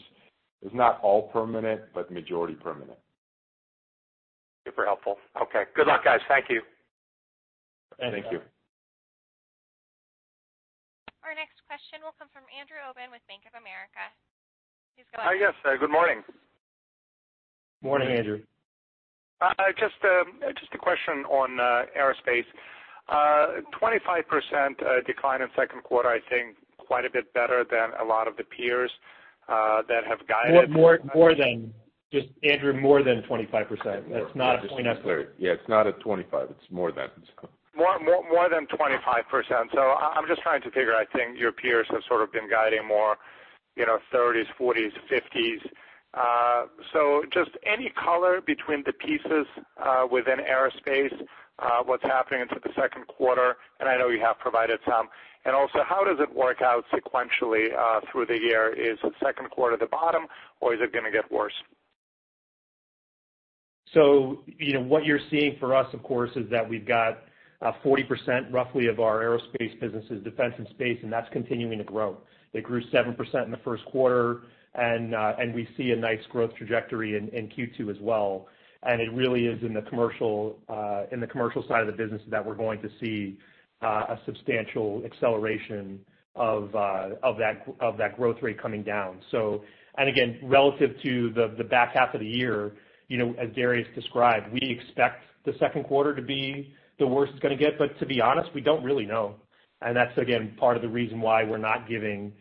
as not all permanent, but majority permanent. Super helpful. Okay. Good luck, guys. Thank you. Thanks, Scott. Thank you. Our next question will come from Andrew Obin with Bank of America. Please go ahead. Yes. Good morning. Morning, Andrew. Morning, Andrew. Just a question on Aerospace. 25% decline in second quarter, I think quite a bit better than a lot of the peers that have guided. Andrew, more than 25%. That's not a point-. Yeah, it's not a 25%. It's more than. More than 25%. I'm just trying to figure, I think your peers have sort of been guiding more, 30s, 40s, 50s. Just any color between the pieces within Aerospace, what's happening into the second quarter, and I know you have provided some? Also, how does it work out sequentially through the year? Is the second quarter the bottom or is it going to get worse? What you're seeing for us, of course, is that we've got 40% roughly of our Aerospace business is Defense & Space, and that's continuing to grow. It grew 7% in the first quarter and we see a nice growth trajectory in Q2 as well. It really is in the commercial side of the business that we're going to see a substantial acceleration of that growth rate coming down. Again, relative to the back half of the year, as Darius described, we expect the second quarter to be the worst it's going to get. To be honest, we don't really know. That's, again, part of the reason why we're not giving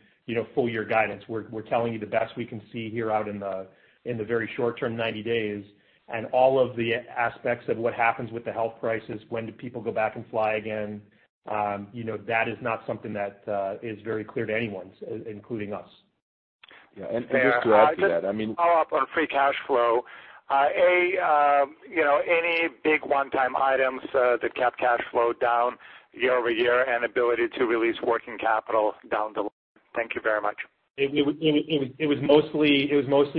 full year guidance. We're telling you the best we can see here out in the very short term, 90 days. All of the aspects of what happens with the health crisis, when do people go back and fly again, that is not something that is very clear to anyone, including us. Yeah. Just to add to that. Just a follow-up on free cash flow. Any big one-time items that kept cash flow down year-over-year, and ability to release working capital down the line? Thank you very much. It was mostly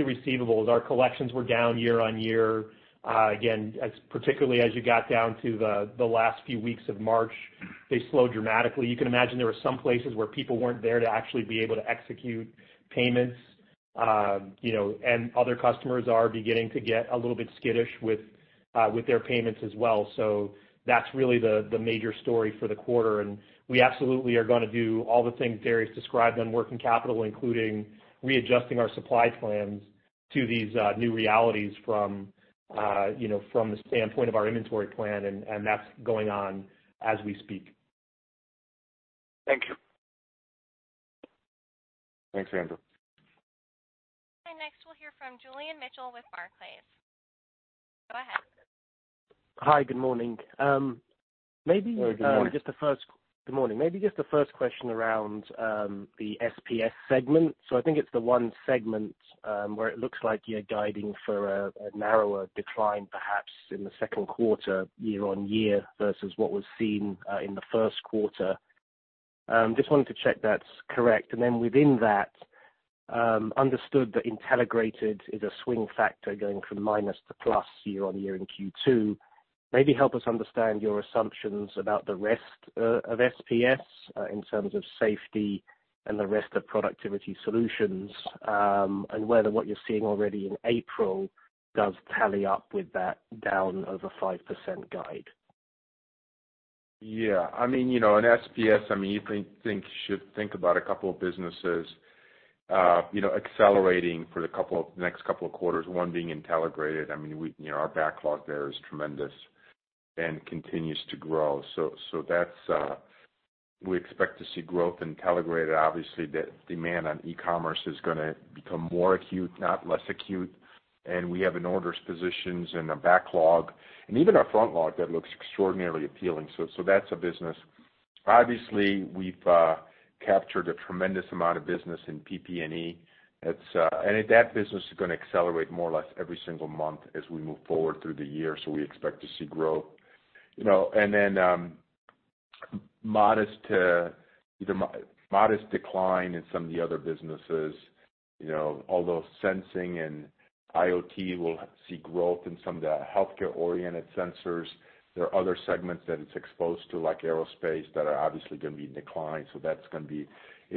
receivables. Our collections were down year-on-year. Again, particularly as you got down to the last few weeks of March, they slowed dramatically. You can imagine there were some places where people weren't there to actually be able to execute payments. Other customers are beginning to get a little bit skittish with their payments as well. That's really the major story for the quarter, and we absolutely are going to do all the things Darius described on working capital, including readjusting our supply plans to these new realities from the standpoint of our inventory plan, and that's going on as we speak. Thank you. Thanks, Andrew. Next we'll hear from Julian Mitchell with Barclays. Go ahead. Hi. Good morning. Good morning. Good morning. I think it's the one segment, where it looks like you're guiding for a narrower decline, perhaps in the second quarter year-on-year versus what was seen in the first quarter. Just wanted to check that's correct. Then within that, understood that Intelligrated is a swing factor going from minus to plus year-on-year in Q2. Maybe help us understand your assumptions about the rest of SPS in terms of Safety and the rest of Productivity Solutions, and whether what you're seeing already in April does tally up with that down over 5% guide. In SPS, you should think about a couple of businesses accelerating for the next couple of quarters, one being Intelligrated. Our backlog there is tremendous and continues to grow. We expect to see growth in Intelligrated. Obviously, the demand on e-commerce is going to become more acute, not less acute. We have an orders positions and a backlog and even a front log that looks extraordinarily appealing. That's a business. Obviously, we've captured a tremendous amount of business in PPE. That business is going to accelerate more or less every single month as we move forward through the year. We expect to see growth. Then modest decline in some of the other businesses. Although sensing and IoT will see growth in some of the healthcare-oriented sensors, there are other segments that it's exposed to, like Aerospace, that are obviously going to be in decline. That's going to be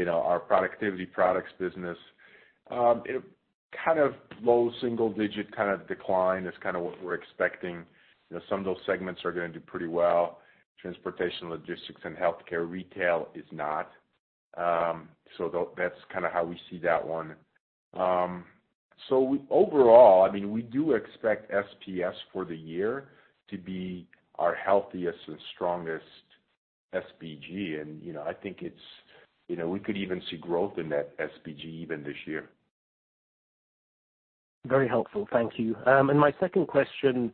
our productivity products business. Kind of low single-digit kind of decline is kind of what we're expecting. Some of those segments are going to do pretty well. Transportation, logistics, and healthcare. Retail is not. That's kind of how we see that one. Overall, we do expect SPS for the year to be our healthiest and strongest SBG, and we could even see growth in that SBG even this year. Very helpful. Thank you. My second question,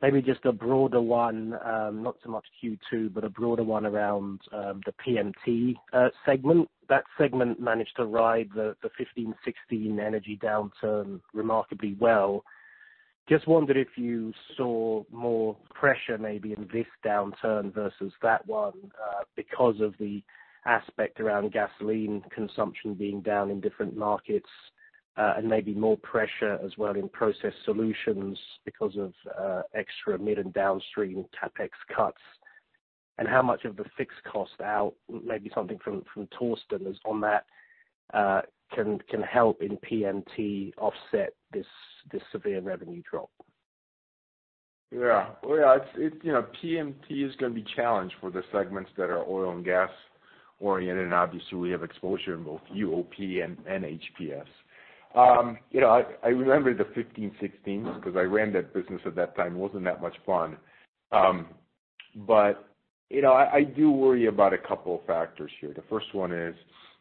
maybe just a broader one, not so much Q2, but a broader one around the PMT segment. That segment managed to ride the 2015-2016 energy downturn remarkably well. Just wondered if you saw more pressure maybe in this downturn versus that one because of the aspect around gasoline consumption being down in different markets, and maybe more pressure as well in Process Solutions because of extra mid and downstream CapEx cuts. How much of the fixed cost out, maybe something from Torsten on that, can help in PMT offset this severe revenue drop? Yeah. PMT is going to be challenged for the segments that are oil and gas-oriented, and obviously we have exposure in both UOP and HPS. I remember the 2015-2016, because I ran that business at that time. It wasn't that much fun. I do worry about a couple of factors here. The first one is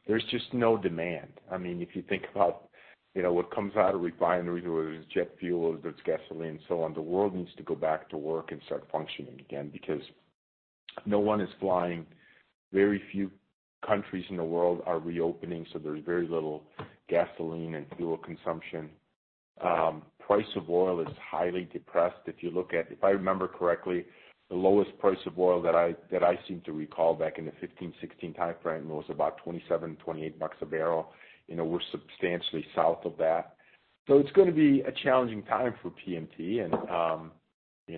there's just no demand. If you think about what comes out of refineries, whether it's jet fuel, whether it's gasoline, so on, the world needs to go back to work and start functioning again, because no one is flying. Very few countries in the world are reopening, so there's very little gasoline and fuel consumption. Price of oil is highly depressed. If I remember correctly, the lowest price of oil that I seem to recall back in the 2015-2016 timeframe was about $27, $28 bpd. We're substantially south of that. It's going to be a challenging time for PMT, and we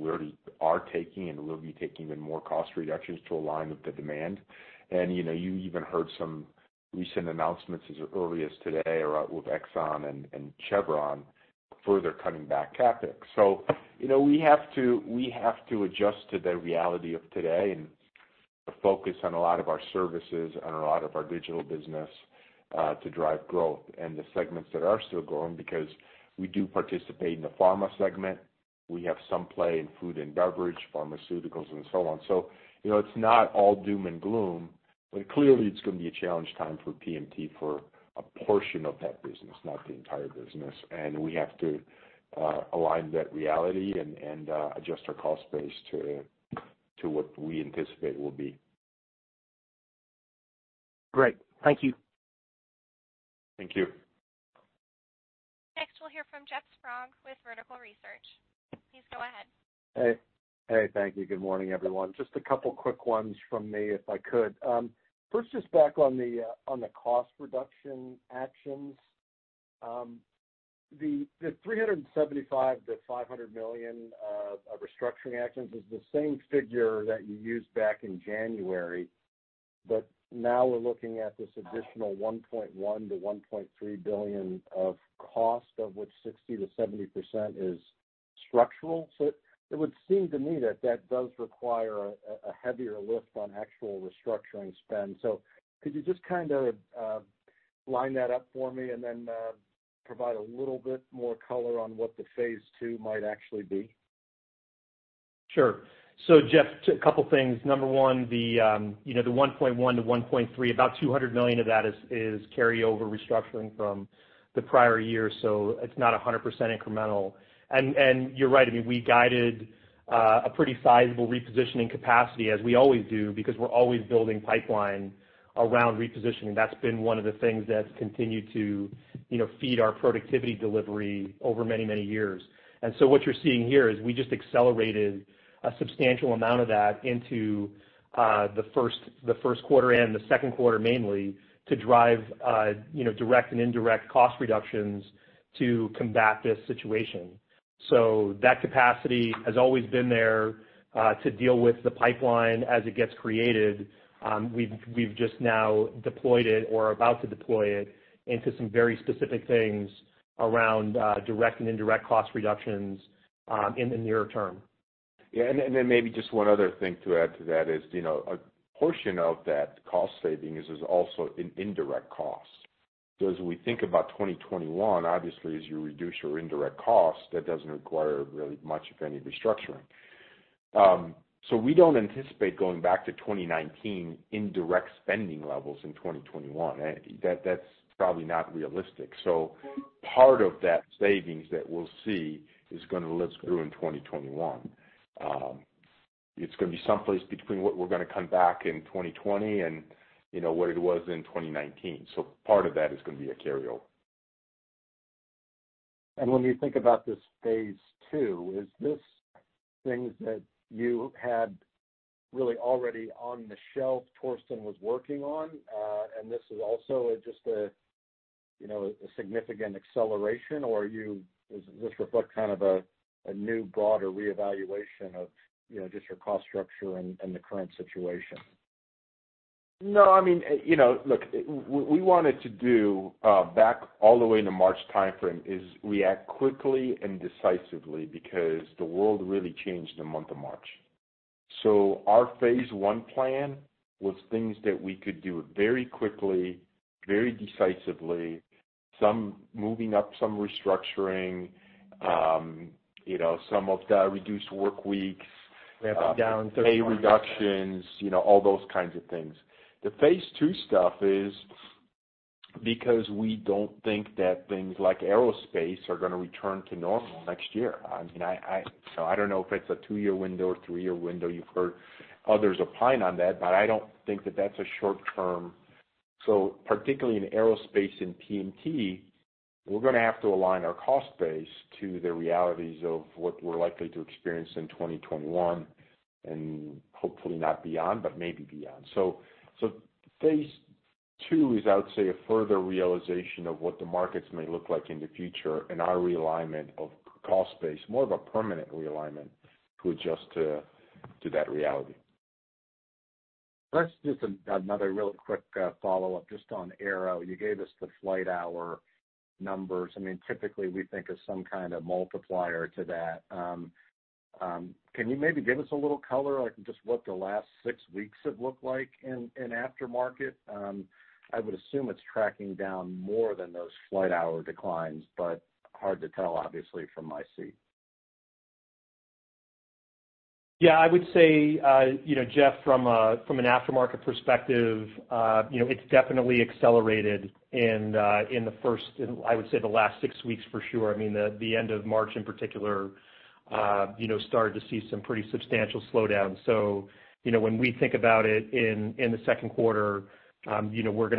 already are taking, and we'll be taking even more cost reductions to align with the demand. You even heard some recent announcements as early as today or out with Exxon and Chevron further cutting back CapEx. We have to adjust to the reality of today and focus on a lot of our services and a lot of our digital business, to drive growth in the segments that are still growing, because we do participate in the pharma segment. We have some play in food and beverage, pharmaceuticals, and so on. It's not all doom and gloom, but clearly it's going to be a challenge time for PMT for a portion of that business, not the entire business. We have to align that reality and adjust our cost base to what we anticipate will be. Great. Thank you. Thank you. Next, we'll hear from Jeff Sprague with Vertical Research. Please go ahead. Hey. Thank you. Good morning, everyone. Just a couple quick ones from me, if I could. First, just back on the cost reduction actions. The $375 million-$500 million of restructuring actions is the same figure that you used back in January, now we're looking at this additional $1.1 billion to $1.3 billion of cost, of which 60%-70% is structural. It would seem to me that that does require a heavier lift on actual restructuring spend. Could you just kind of line that up for me and then provide a little bit more color on what the Phase 2 might actually be? Sure. Jeff, two couple things. Number one, the $1.1 billion to $1.3 billion, about $200 million of that is carryover restructuring from the prior year, so it's not 100% incremental. You're right, we guided a pretty sizable repositioning capacity, as we always do, because we're always building pipeline around repositioning. That's been one of the things that's continued to feed our productivity delivery over many, many years. What you're seeing here is we just accelerated a substantial amount of that into the first quarter and the second quarter mainly to drive direct and indirect cost reductions to combat this situation. That capacity has always been there, to deal with the pipeline as it gets created. We've just now deployed it or are about to deploy it into some very specific things around direct and indirect cost reductions in the near term. Yeah, maybe just one other thing to add to that is, a portion of that cost savings is also an indirect cost. As we think about 2021, obviously, as you reduce your indirect costs, that doesn't require really much of any restructuring. We don't anticipate going back to 2019 indirect spending levels in 2021. That's probably not realistic. Part of that savings that we'll see is going to live through in 2021. It's going to be someplace between what we're going to come back in 2020 and what it was in 2019. Part of that is going to be a carryover. When you think about this Phase 2, is this things that you had really already on the shelf Torsten was working on, and this is also just a significant acceleration, or does this reflect kind of a new broader reevaluation of just your cost structure and the current situation? No, look, we wanted to do, back all the way in the March timeframe, is react quickly and decisively because the world really changed in the month of March. Our Phase 1 plan was things that we could do very quickly, very decisively, moving up some restructuring, some of the reduced work weeks. Ramped down 30%-40%. pay reductions, all those kinds of things. The Phase 2 stuff is because we don't think that things like Aerospace are going to return to normal next year. I don't know if it's a two-year window or three-year window. You've heard others opine on that. I don't think that that's a short term. Particularly in Aerospace, in PMT, we're going to have to align our cost base to the realities of what we're likely to experience in 2021, and hopefully not beyond, but maybe beyond. Phase 2 is, I would say, a further realization of what the markets may look like in the future and our realignment of cost base, more of a permanent realignment to adjust to that reality. Let's do another real quick follow-up just on Aero. You gave us the flight hour numbers. Typically, we think of some kind of multiplier to that. Can you maybe give us a little color on just what the last six weeks have looked like in aftermarket? I would assume it's tracking down more than those flight hour declines, but hard to tell, obviously, from my seat. Yeah, I would say, Jeff, from an aftermarket perspective, it's definitely accelerated in the first, I would say, the last six weeks for sure. The end of March in particular, started to see some pretty substantial slowdowns. When we think about it in the second quarter, we're going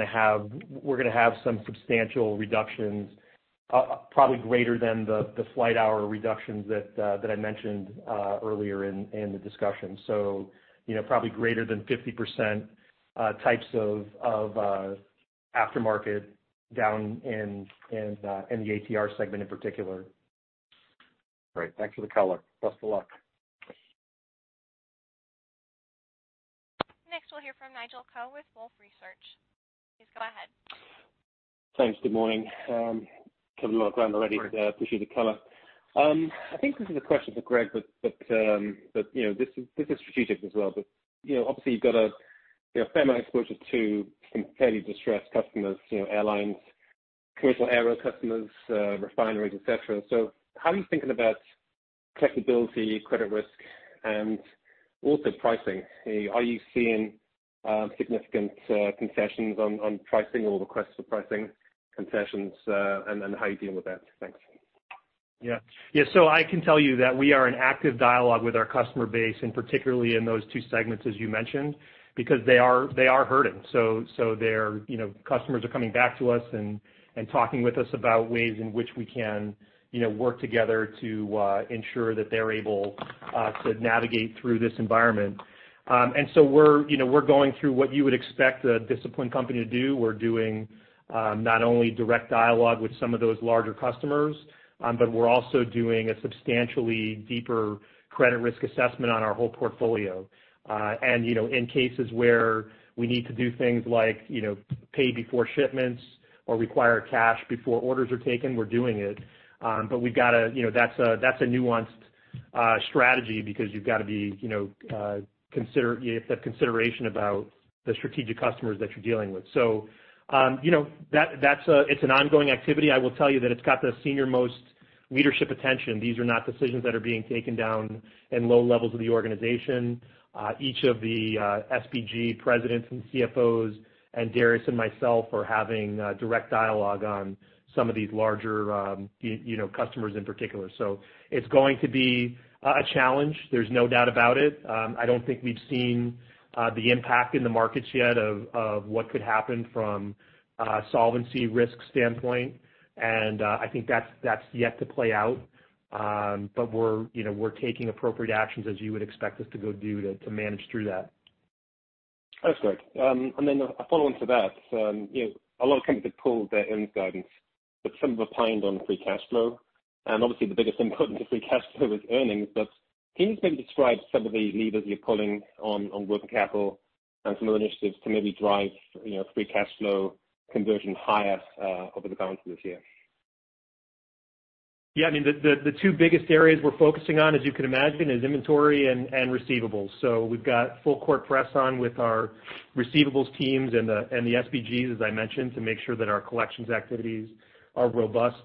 to have some substantial reductions, probably greater than the flight hour reductions that I mentioned earlier in the discussion. Probably greater than 50% types of aftermarket down in the ATR segment in particular. Great. Thanks for the color. Best of luck. Next, we'll hear from Nigel Coe with Wolfe Research. Please go ahead. Thanks. Good morning. Covered a lot of ground already. Appreciate the color. I think this is a question for Greg, but this is strategic as well. Obviously, you've got a fair amount of exposure to some fairly distressed customers, airlines, commercial aero customers, refineries, et cetera. How are you thinking about collectability, credit risk, and also pricing? Are you seeing significant concessions on pricing or requests for pricing concessions, and how are you dealing with that? Thanks. I can tell you that we are in active dialogue with our customer base, and particularly in those two segments, as you mentioned, because they are hurting. Customers are coming back to us and talking with us about ways in which we can work together to ensure that they're able to navigate through this environment. We're going through what you would expect a disciplined company to do. We're doing not only direct dialogue with some of those larger customers, but we're also doing a substantially deeper credit risk assessment on our whole portfolio. In cases where we need to do things like pay before shipments or require cash before orders are taken, we're doing it. That's a nuanced strategy because you've got to have consideration about the strategic customers that you're dealing with. It's an ongoing activity. I will tell you that it's got the senior-most leadership attention. These are not decisions that are being taken down in low levels of the organization. Each of the SBG presidents and CFOs, and Darius and myself are having a direct dialogue on some of these larger customers in particular. It's going to be a challenge, there's no doubt about it. I don't think we've seen the impact in the markets yet of what could happen from a solvency risk standpoint, and I think that's yet to play out. We're taking appropriate actions, as you would expect us to go do, to manage through that. That's great. A follow-on to that. A lot of companies have pulled their earnings guidance, but some have pinned on free cash flow. Obviously, the biggest input into free cash flow is earnings, but can you maybe describe some of the levers you're pulling on working capital and some of the initiatives to maybe drive free cash flow conversion higher over the course of this year? Yeah, the two biggest areas we're focusing on, as you can imagine, is inventory and receivables. We've got full court press on with our receivables teams and the SBGs, as I mentioned, to make sure that our collections activities are robust.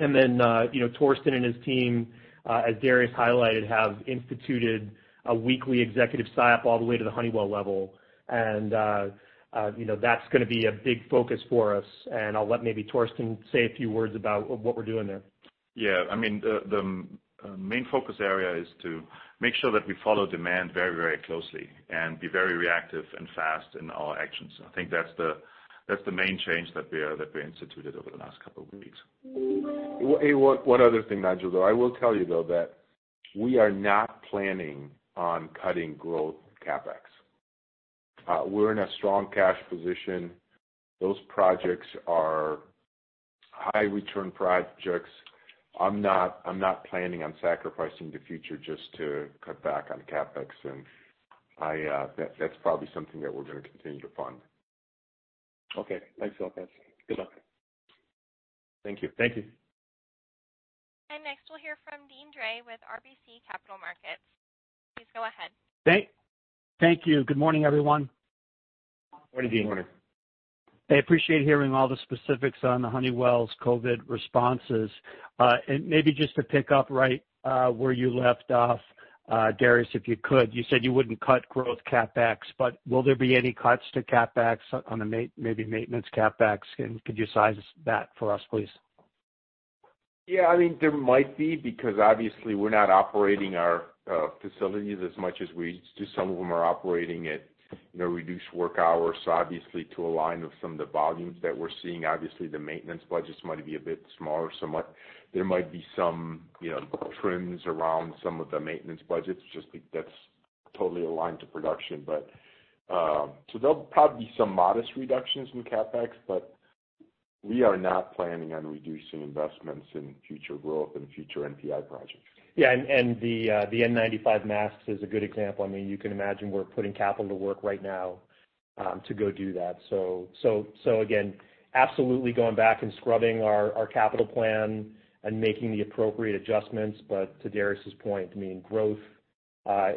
Torsten and his team, as Darius highlighted, have instituted a weekly executive SIOP all the way to the Honeywell level. That's going to be a big focus for us, and I'll let maybe Torsten say a few words about what we're doing there. Yeah. The main focus area is to make sure that we follow demand very closely and be very reactive and fast in our actions. I think that's the main change that we instituted over the last couple of weeks. One other thing, Nigel, though. I will tell you, though, that we are not planning on cutting growth CapEx. We're in a strong cash position. Those projects are high-return projects. I'm not planning on sacrificing the future just to cut back on CapEx, and that's probably something that we're going to continue to fund. Okay. Thanks a lot, guys. Good luck. Thank you. Thank you. Next, we'll hear from Deane Dray with RBC Capital Markets. Please go ahead. Thank you. Good morning, everyone. Morning, Deane. Morning. I appreciate hearing all the specifics on Honeywell's COVID responses. Maybe just to pick up right where you left off, Darius, if you could. You said you wouldn't cut growth CapEx, but will there be any cuts to CapEx on maybe maintenance CapEx, and could you size that for us, please? Yeah, there might be, because obviously we're not operating our facilities as much as we used to. Some of them are operating at reduced work hours. Obviously, to align with some of the volumes that we're seeing, obviously the maintenance budgets might be a bit smaller. There might be some trims around some of the maintenance budgets, just that's totally aligned to production. There'll probably be some modest reductions in CapEx, but we are not planning on some investments in future growth and future NPI projects. The N95 masks is a good example. You can imagine we're putting capital to work right now to go do that. Again, absolutely going back and scrubbing our capital plan and making the appropriate adjustments. To Darius' point, growth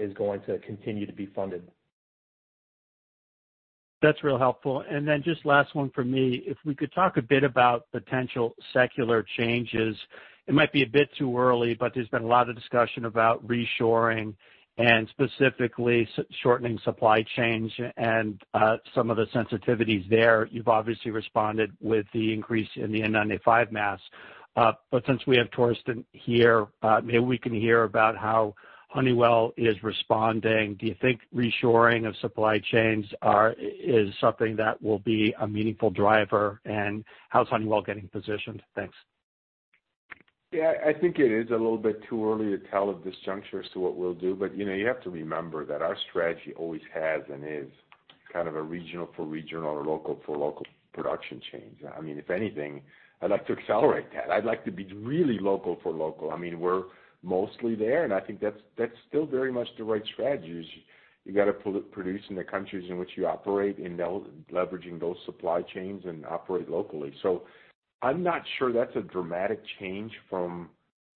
is going to continue to be funded. That's real helpful. Just last one from me. If we could talk a bit about potential secular changes. It might be a bit too early, but there's been a lot of discussion about reshoring and specifically shortening supply chains and some of the sensitivities there. You've obviously responded with the increase in the N95 masks. Since we have Torsten here, maybe we can hear about how Honeywell is responding. Do you think reshoring of supply chains is something that will be a meaningful driver, and how's Honeywell getting positioned? Thanks. Yeah, I think it is a little bit too early to tell at this juncture as to what we'll do, but you have to remember that our strategy always has and is kind of a regional for regional or local for local production change. If anything, I'd like to accelerate that. I'd like to be really local for local. We're mostly there, and I think that's still very much the right strategy, is you got to produce in the countries in which you operate and leveraging those supply chains and operate locally. I'm not sure that's a dramatic change from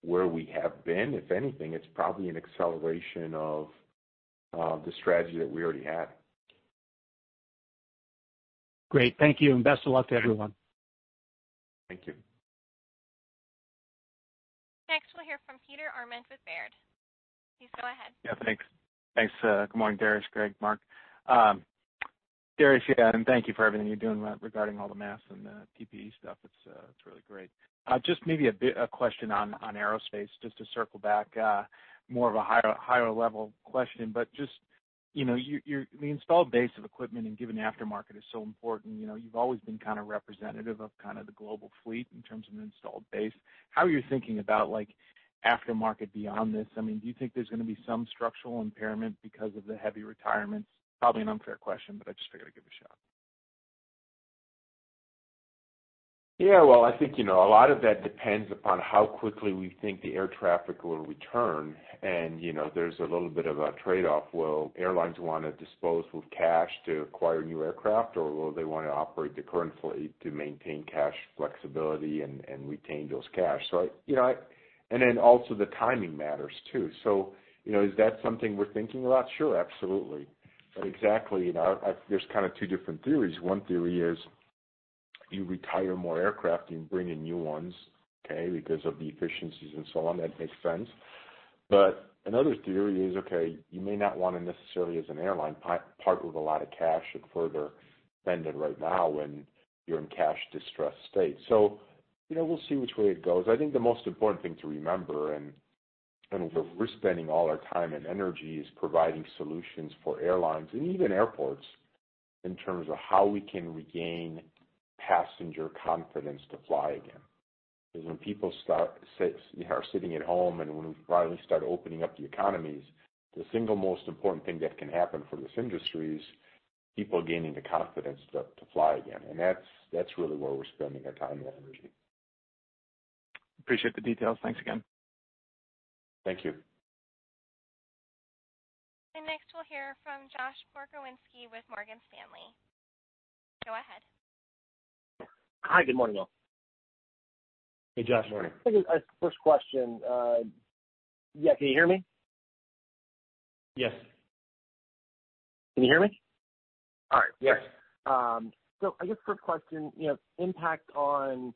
where we have been. If anything, it's probably an acceleration of the strategy that we already had. Great. Thank you, and best of luck to everyone. Thank you. Next, we'll hear from Peter Arment with Baird. Please go ahead. Yeah, thanks. Good morning, Darius, Greg, Mark. Darius, yeah, and thank you for everything you're doing regarding all the masks and the PPE stuff. It's really great. Just maybe a question on Aerospace, just to circle back. More of a higher level question, but just the installed base of equipment and given aftermarket is so important, you've always been kind of representative of kind of the global fleet in terms of an installed base. How are you thinking about aftermarket beyond this? Do you think there's going to be some structural impairment because of the heavy retirements? Probably an unfair question, but I just figured I'd give it a shot. Well, I think a lot of that depends upon how quickly we think the air traffic will return. There's a little bit of a trade-off. Will airlines want to dispose with cash to acquire new aircraft, or will they want to operate the current fleet to maintain cash flexibility and retain those cash? Also the timing matters too. Is that something we're thinking about? Sure, absolutely. Exactly, there's kind of two different theories. One theory is you retire more aircraft and you bring in new ones, okay, because of the efficiencies and so on. That makes sense. Another theory is, okay, you may not want to necessarily, as an airline, part with a lot of cash and further spend it right now when you're in cash distressed state. We'll see which way it goes. I think the most important thing to remember, and where we're spending all our time and energy, is providing solutions for airlines and even airports in terms of how we can regain passenger confidence to fly again. Because when people are sitting at home, and when we finally start opening up the economies, the single most important thing that can happen for this industry is people gaining the confidence to fly again. That's really where we're spending our time and energy. Appreciate the details. Thanks again. Thank you. Next we'll hear from Josh Pokrzywinski with Morgan Stanley. Go ahead. Hi. Good morning, all. Hey, Josh. Morning. I think as a first question. Yeah, can you hear me? Yes. Can you hear me? All right. Yes. I guess first question, impact of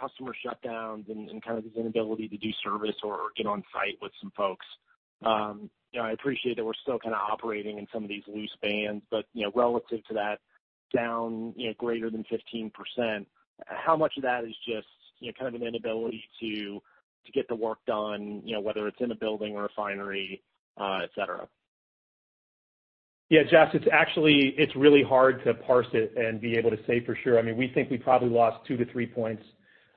customer shutdowns and kind of this inability to do service or get on site with some folks. I appreciate that we're still kind of operating in some of these loose bands, but relative to that down greater than 15%, how much of that is just an inability to get the work done, whether it's in a building, refinery, et cetera? Yeah, Josh, it's really hard to parse it and be able to say for sure. We think we probably lost two to three points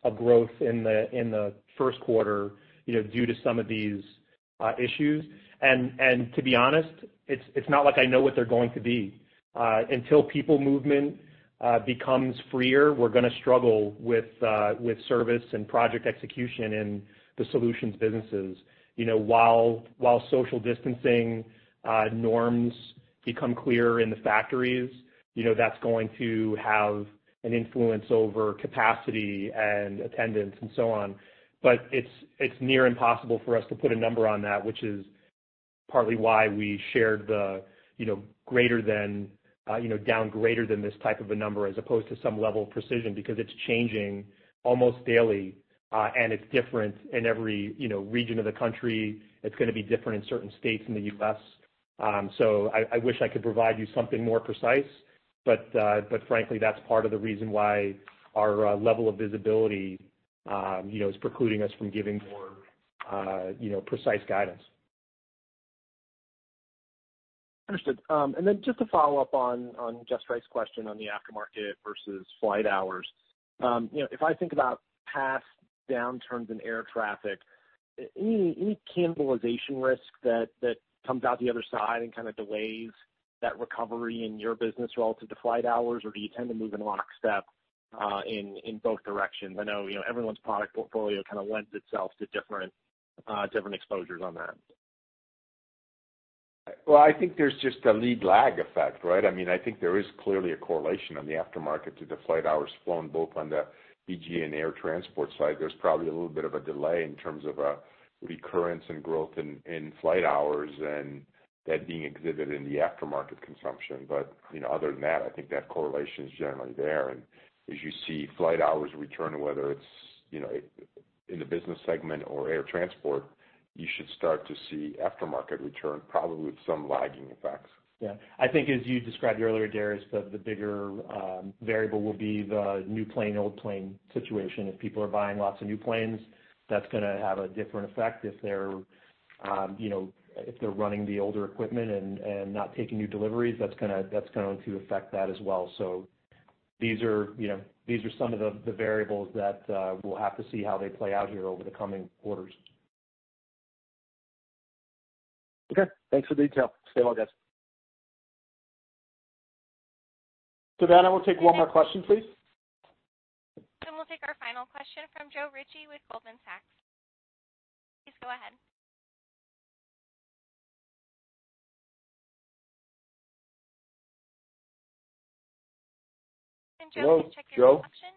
of growth in the first quarter due to some of these issues. To be honest, it's not like I know what they're going to be. Until people movement becomes freer, we're going to struggle with service and project execution in the solutions businesses. While social distancing norms become clearer in the factories, that's going to have an influence over capacity and attendance, and so on. It's near impossible for us to put a number on that, which is partly why we shared the down greater than this type of a number as opposed to some level of precision, because it's changing almost daily. It's different in every region of the country. It's going to be different in certain states in the U.S. I wish I could provide you something more precise, but frankly, that's part of the reason why our level of visibility is precluding us from giving more precise guidance. Understood. Just to follow up on Jeff Sprague's question on the aftermarket versus flight hours. If I think about past downturns in air traffic, any cannibalization risk that comes out the other side and kind of delays that recovery in your business relative to flight hours? Or do you tend to move in lockstep in both directions? I know everyone's product portfolio kind of lends itself to different exposures on that. Well, I think there's just a lead lag effect, right? I think there is clearly a correlation on the aftermarket to the flight hours flown, both on the BG and air transport side. There's probably a little bit of a delay in terms of a recurrence in growth in flight hours, and that being exhibited in the aftermarket consumption. Other than that, I think that correlation is generally there. As you see flight hours return, whether it's in the business segment or air transport, you should start to see aftermarket return, probably with some lagging effects. I think as you described earlier, Darius, the bigger variable will be the new plane, old plane situation. If people are buying lots of new planes, that's going to have a different effect. If they're running the older equipment and not taking new deliveries, that's going to affect that as well. These are some of the variables that we'll have to see how they play out here over the coming quarters. Okay, thanks for the detail. Stay well, guys. Savannah, we'll take one more question, please. We'll take our final question from Joe Ritchie with Goldman Sachs. Please go ahead. Joe, can you check your connection?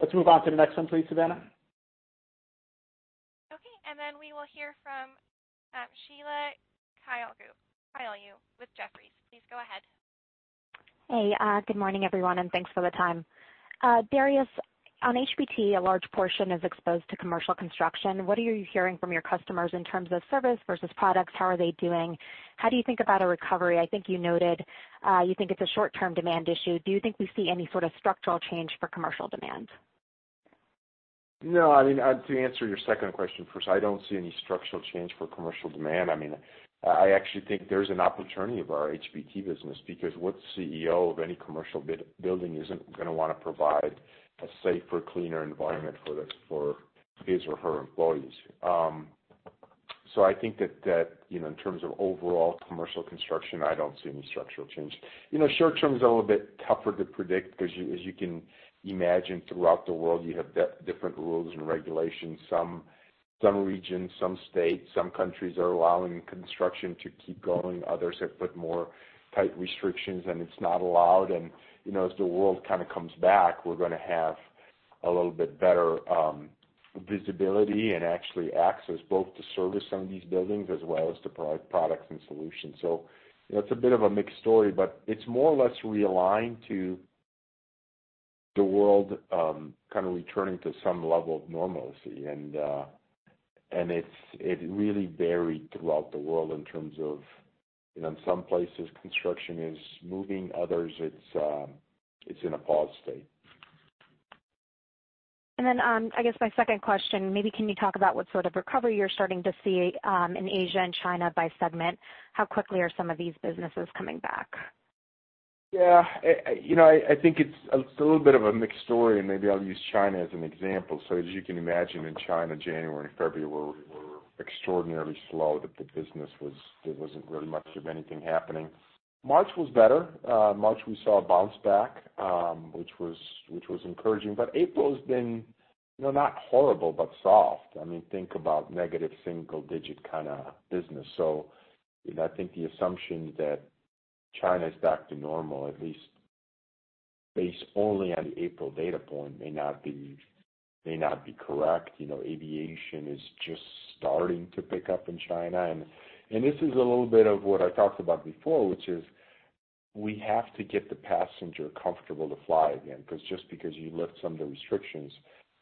Let's move on to the next one, please, Savannah. Okay, then we will hear from Sheila Kahyaoglu with Jefferies. Please go ahead. Good morning, everyone, and thanks for the time. Darius, on HBT, a large portion is exposed to commercial construction. What are you hearing from your customers in terms of service versus products? How are they doing? How do you think about a recovery? I think you noted you think it's a short-term demand issue. Do you think we see any sort of structural change for commercial demand? No. To answer your second question first, I don't see any structural change for commercial demand. I actually think there's an opportunity of our HBT business, because what CEO of any commercial building isn't going to want to provide a safer, cleaner environment for his or her employees? I think that in terms of overall commercial construction, I don't see any structural change. Short-term is a little bit tougher to predict because, as you can imagine, throughout the world, you have different rules and regulations. Some regions, some states, some countries are allowing construction to keep going. Others have put more tight restrictions, and it's not allowed. As the world kind of comes back, we're going to have a little bit better visibility and actually access both to service some of these buildings as well as to provide products and solutions. It's a bit of a mixed story, but it's more or less realigned to the world kind of returning to some level of normalcy. It really varied throughout the world in terms of some places, construction is moving, others, it's in a pause state. I guess my second question, maybe can you talk about what sort of recovery you're starting to see in Asia and China by segment? How quickly are some of these businesses coming back? I think it's a little bit of a mixed story. Maybe I'll use China as an example. As you can imagine, in China, January and February were extraordinarily slow. There wasn't really much of anything happening. March was better. March we saw a bounce back, which was encouraging. April's been not horrible, but soft. Think about negative single-digit kind of business. I think the assumption that China is back to normal, at least based only on the April data point, may not be correct. Aviation is just starting to pick up in China. This is a little bit of what I talked about before, which is we have to get the passenger comfortable to fly again, because just because you lift some of the restrictions,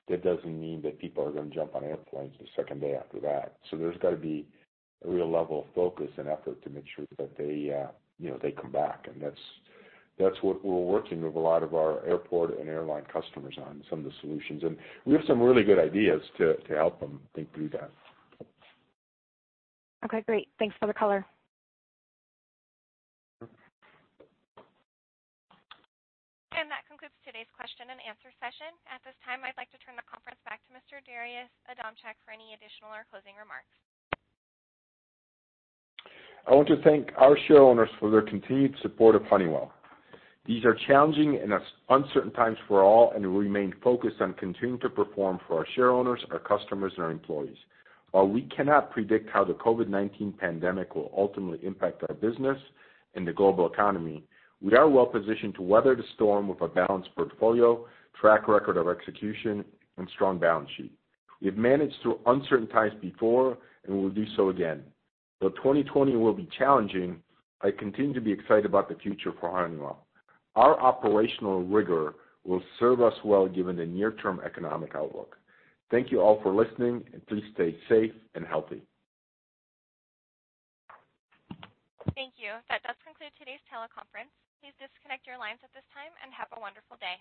that doesn't mean that people are going to jump on airplanes the second day after that. There's got to be a real level of focus and effort to make sure that they come back, and that's what we're working with a lot of our airport and airline customers on some of the solutions. We have some really good ideas to help them think through that. Okay, great. Thanks for the color. That concludes today's question and answer session. At this time, I'd like to turn the conference back to Mr. Darius Adamczyk for any additional or closing remarks. I want to thank our shareholders for their continued support of Honeywell. These are challenging and uncertain times for all, and we remain focused on continuing to perform for our shareholders, our customers, and our employees. While we cannot predict how the COVID-19 pandemic will ultimately impact our business and the global economy, we are well-positioned to weather the storm with a balanced portfolio, track record of execution, and strong balance sheet. We have managed through uncertain times before, and we will do so again. Though 2020 will be challenging, I continue to be excited about the future for Honeywell. Our operational rigor will serve us well given the near-term economic outlook. Thank you all for listening, and please stay safe and healthy. Thank you. That does conclude today's teleconference. Please disconnect your lines at this time and have a wonderful day.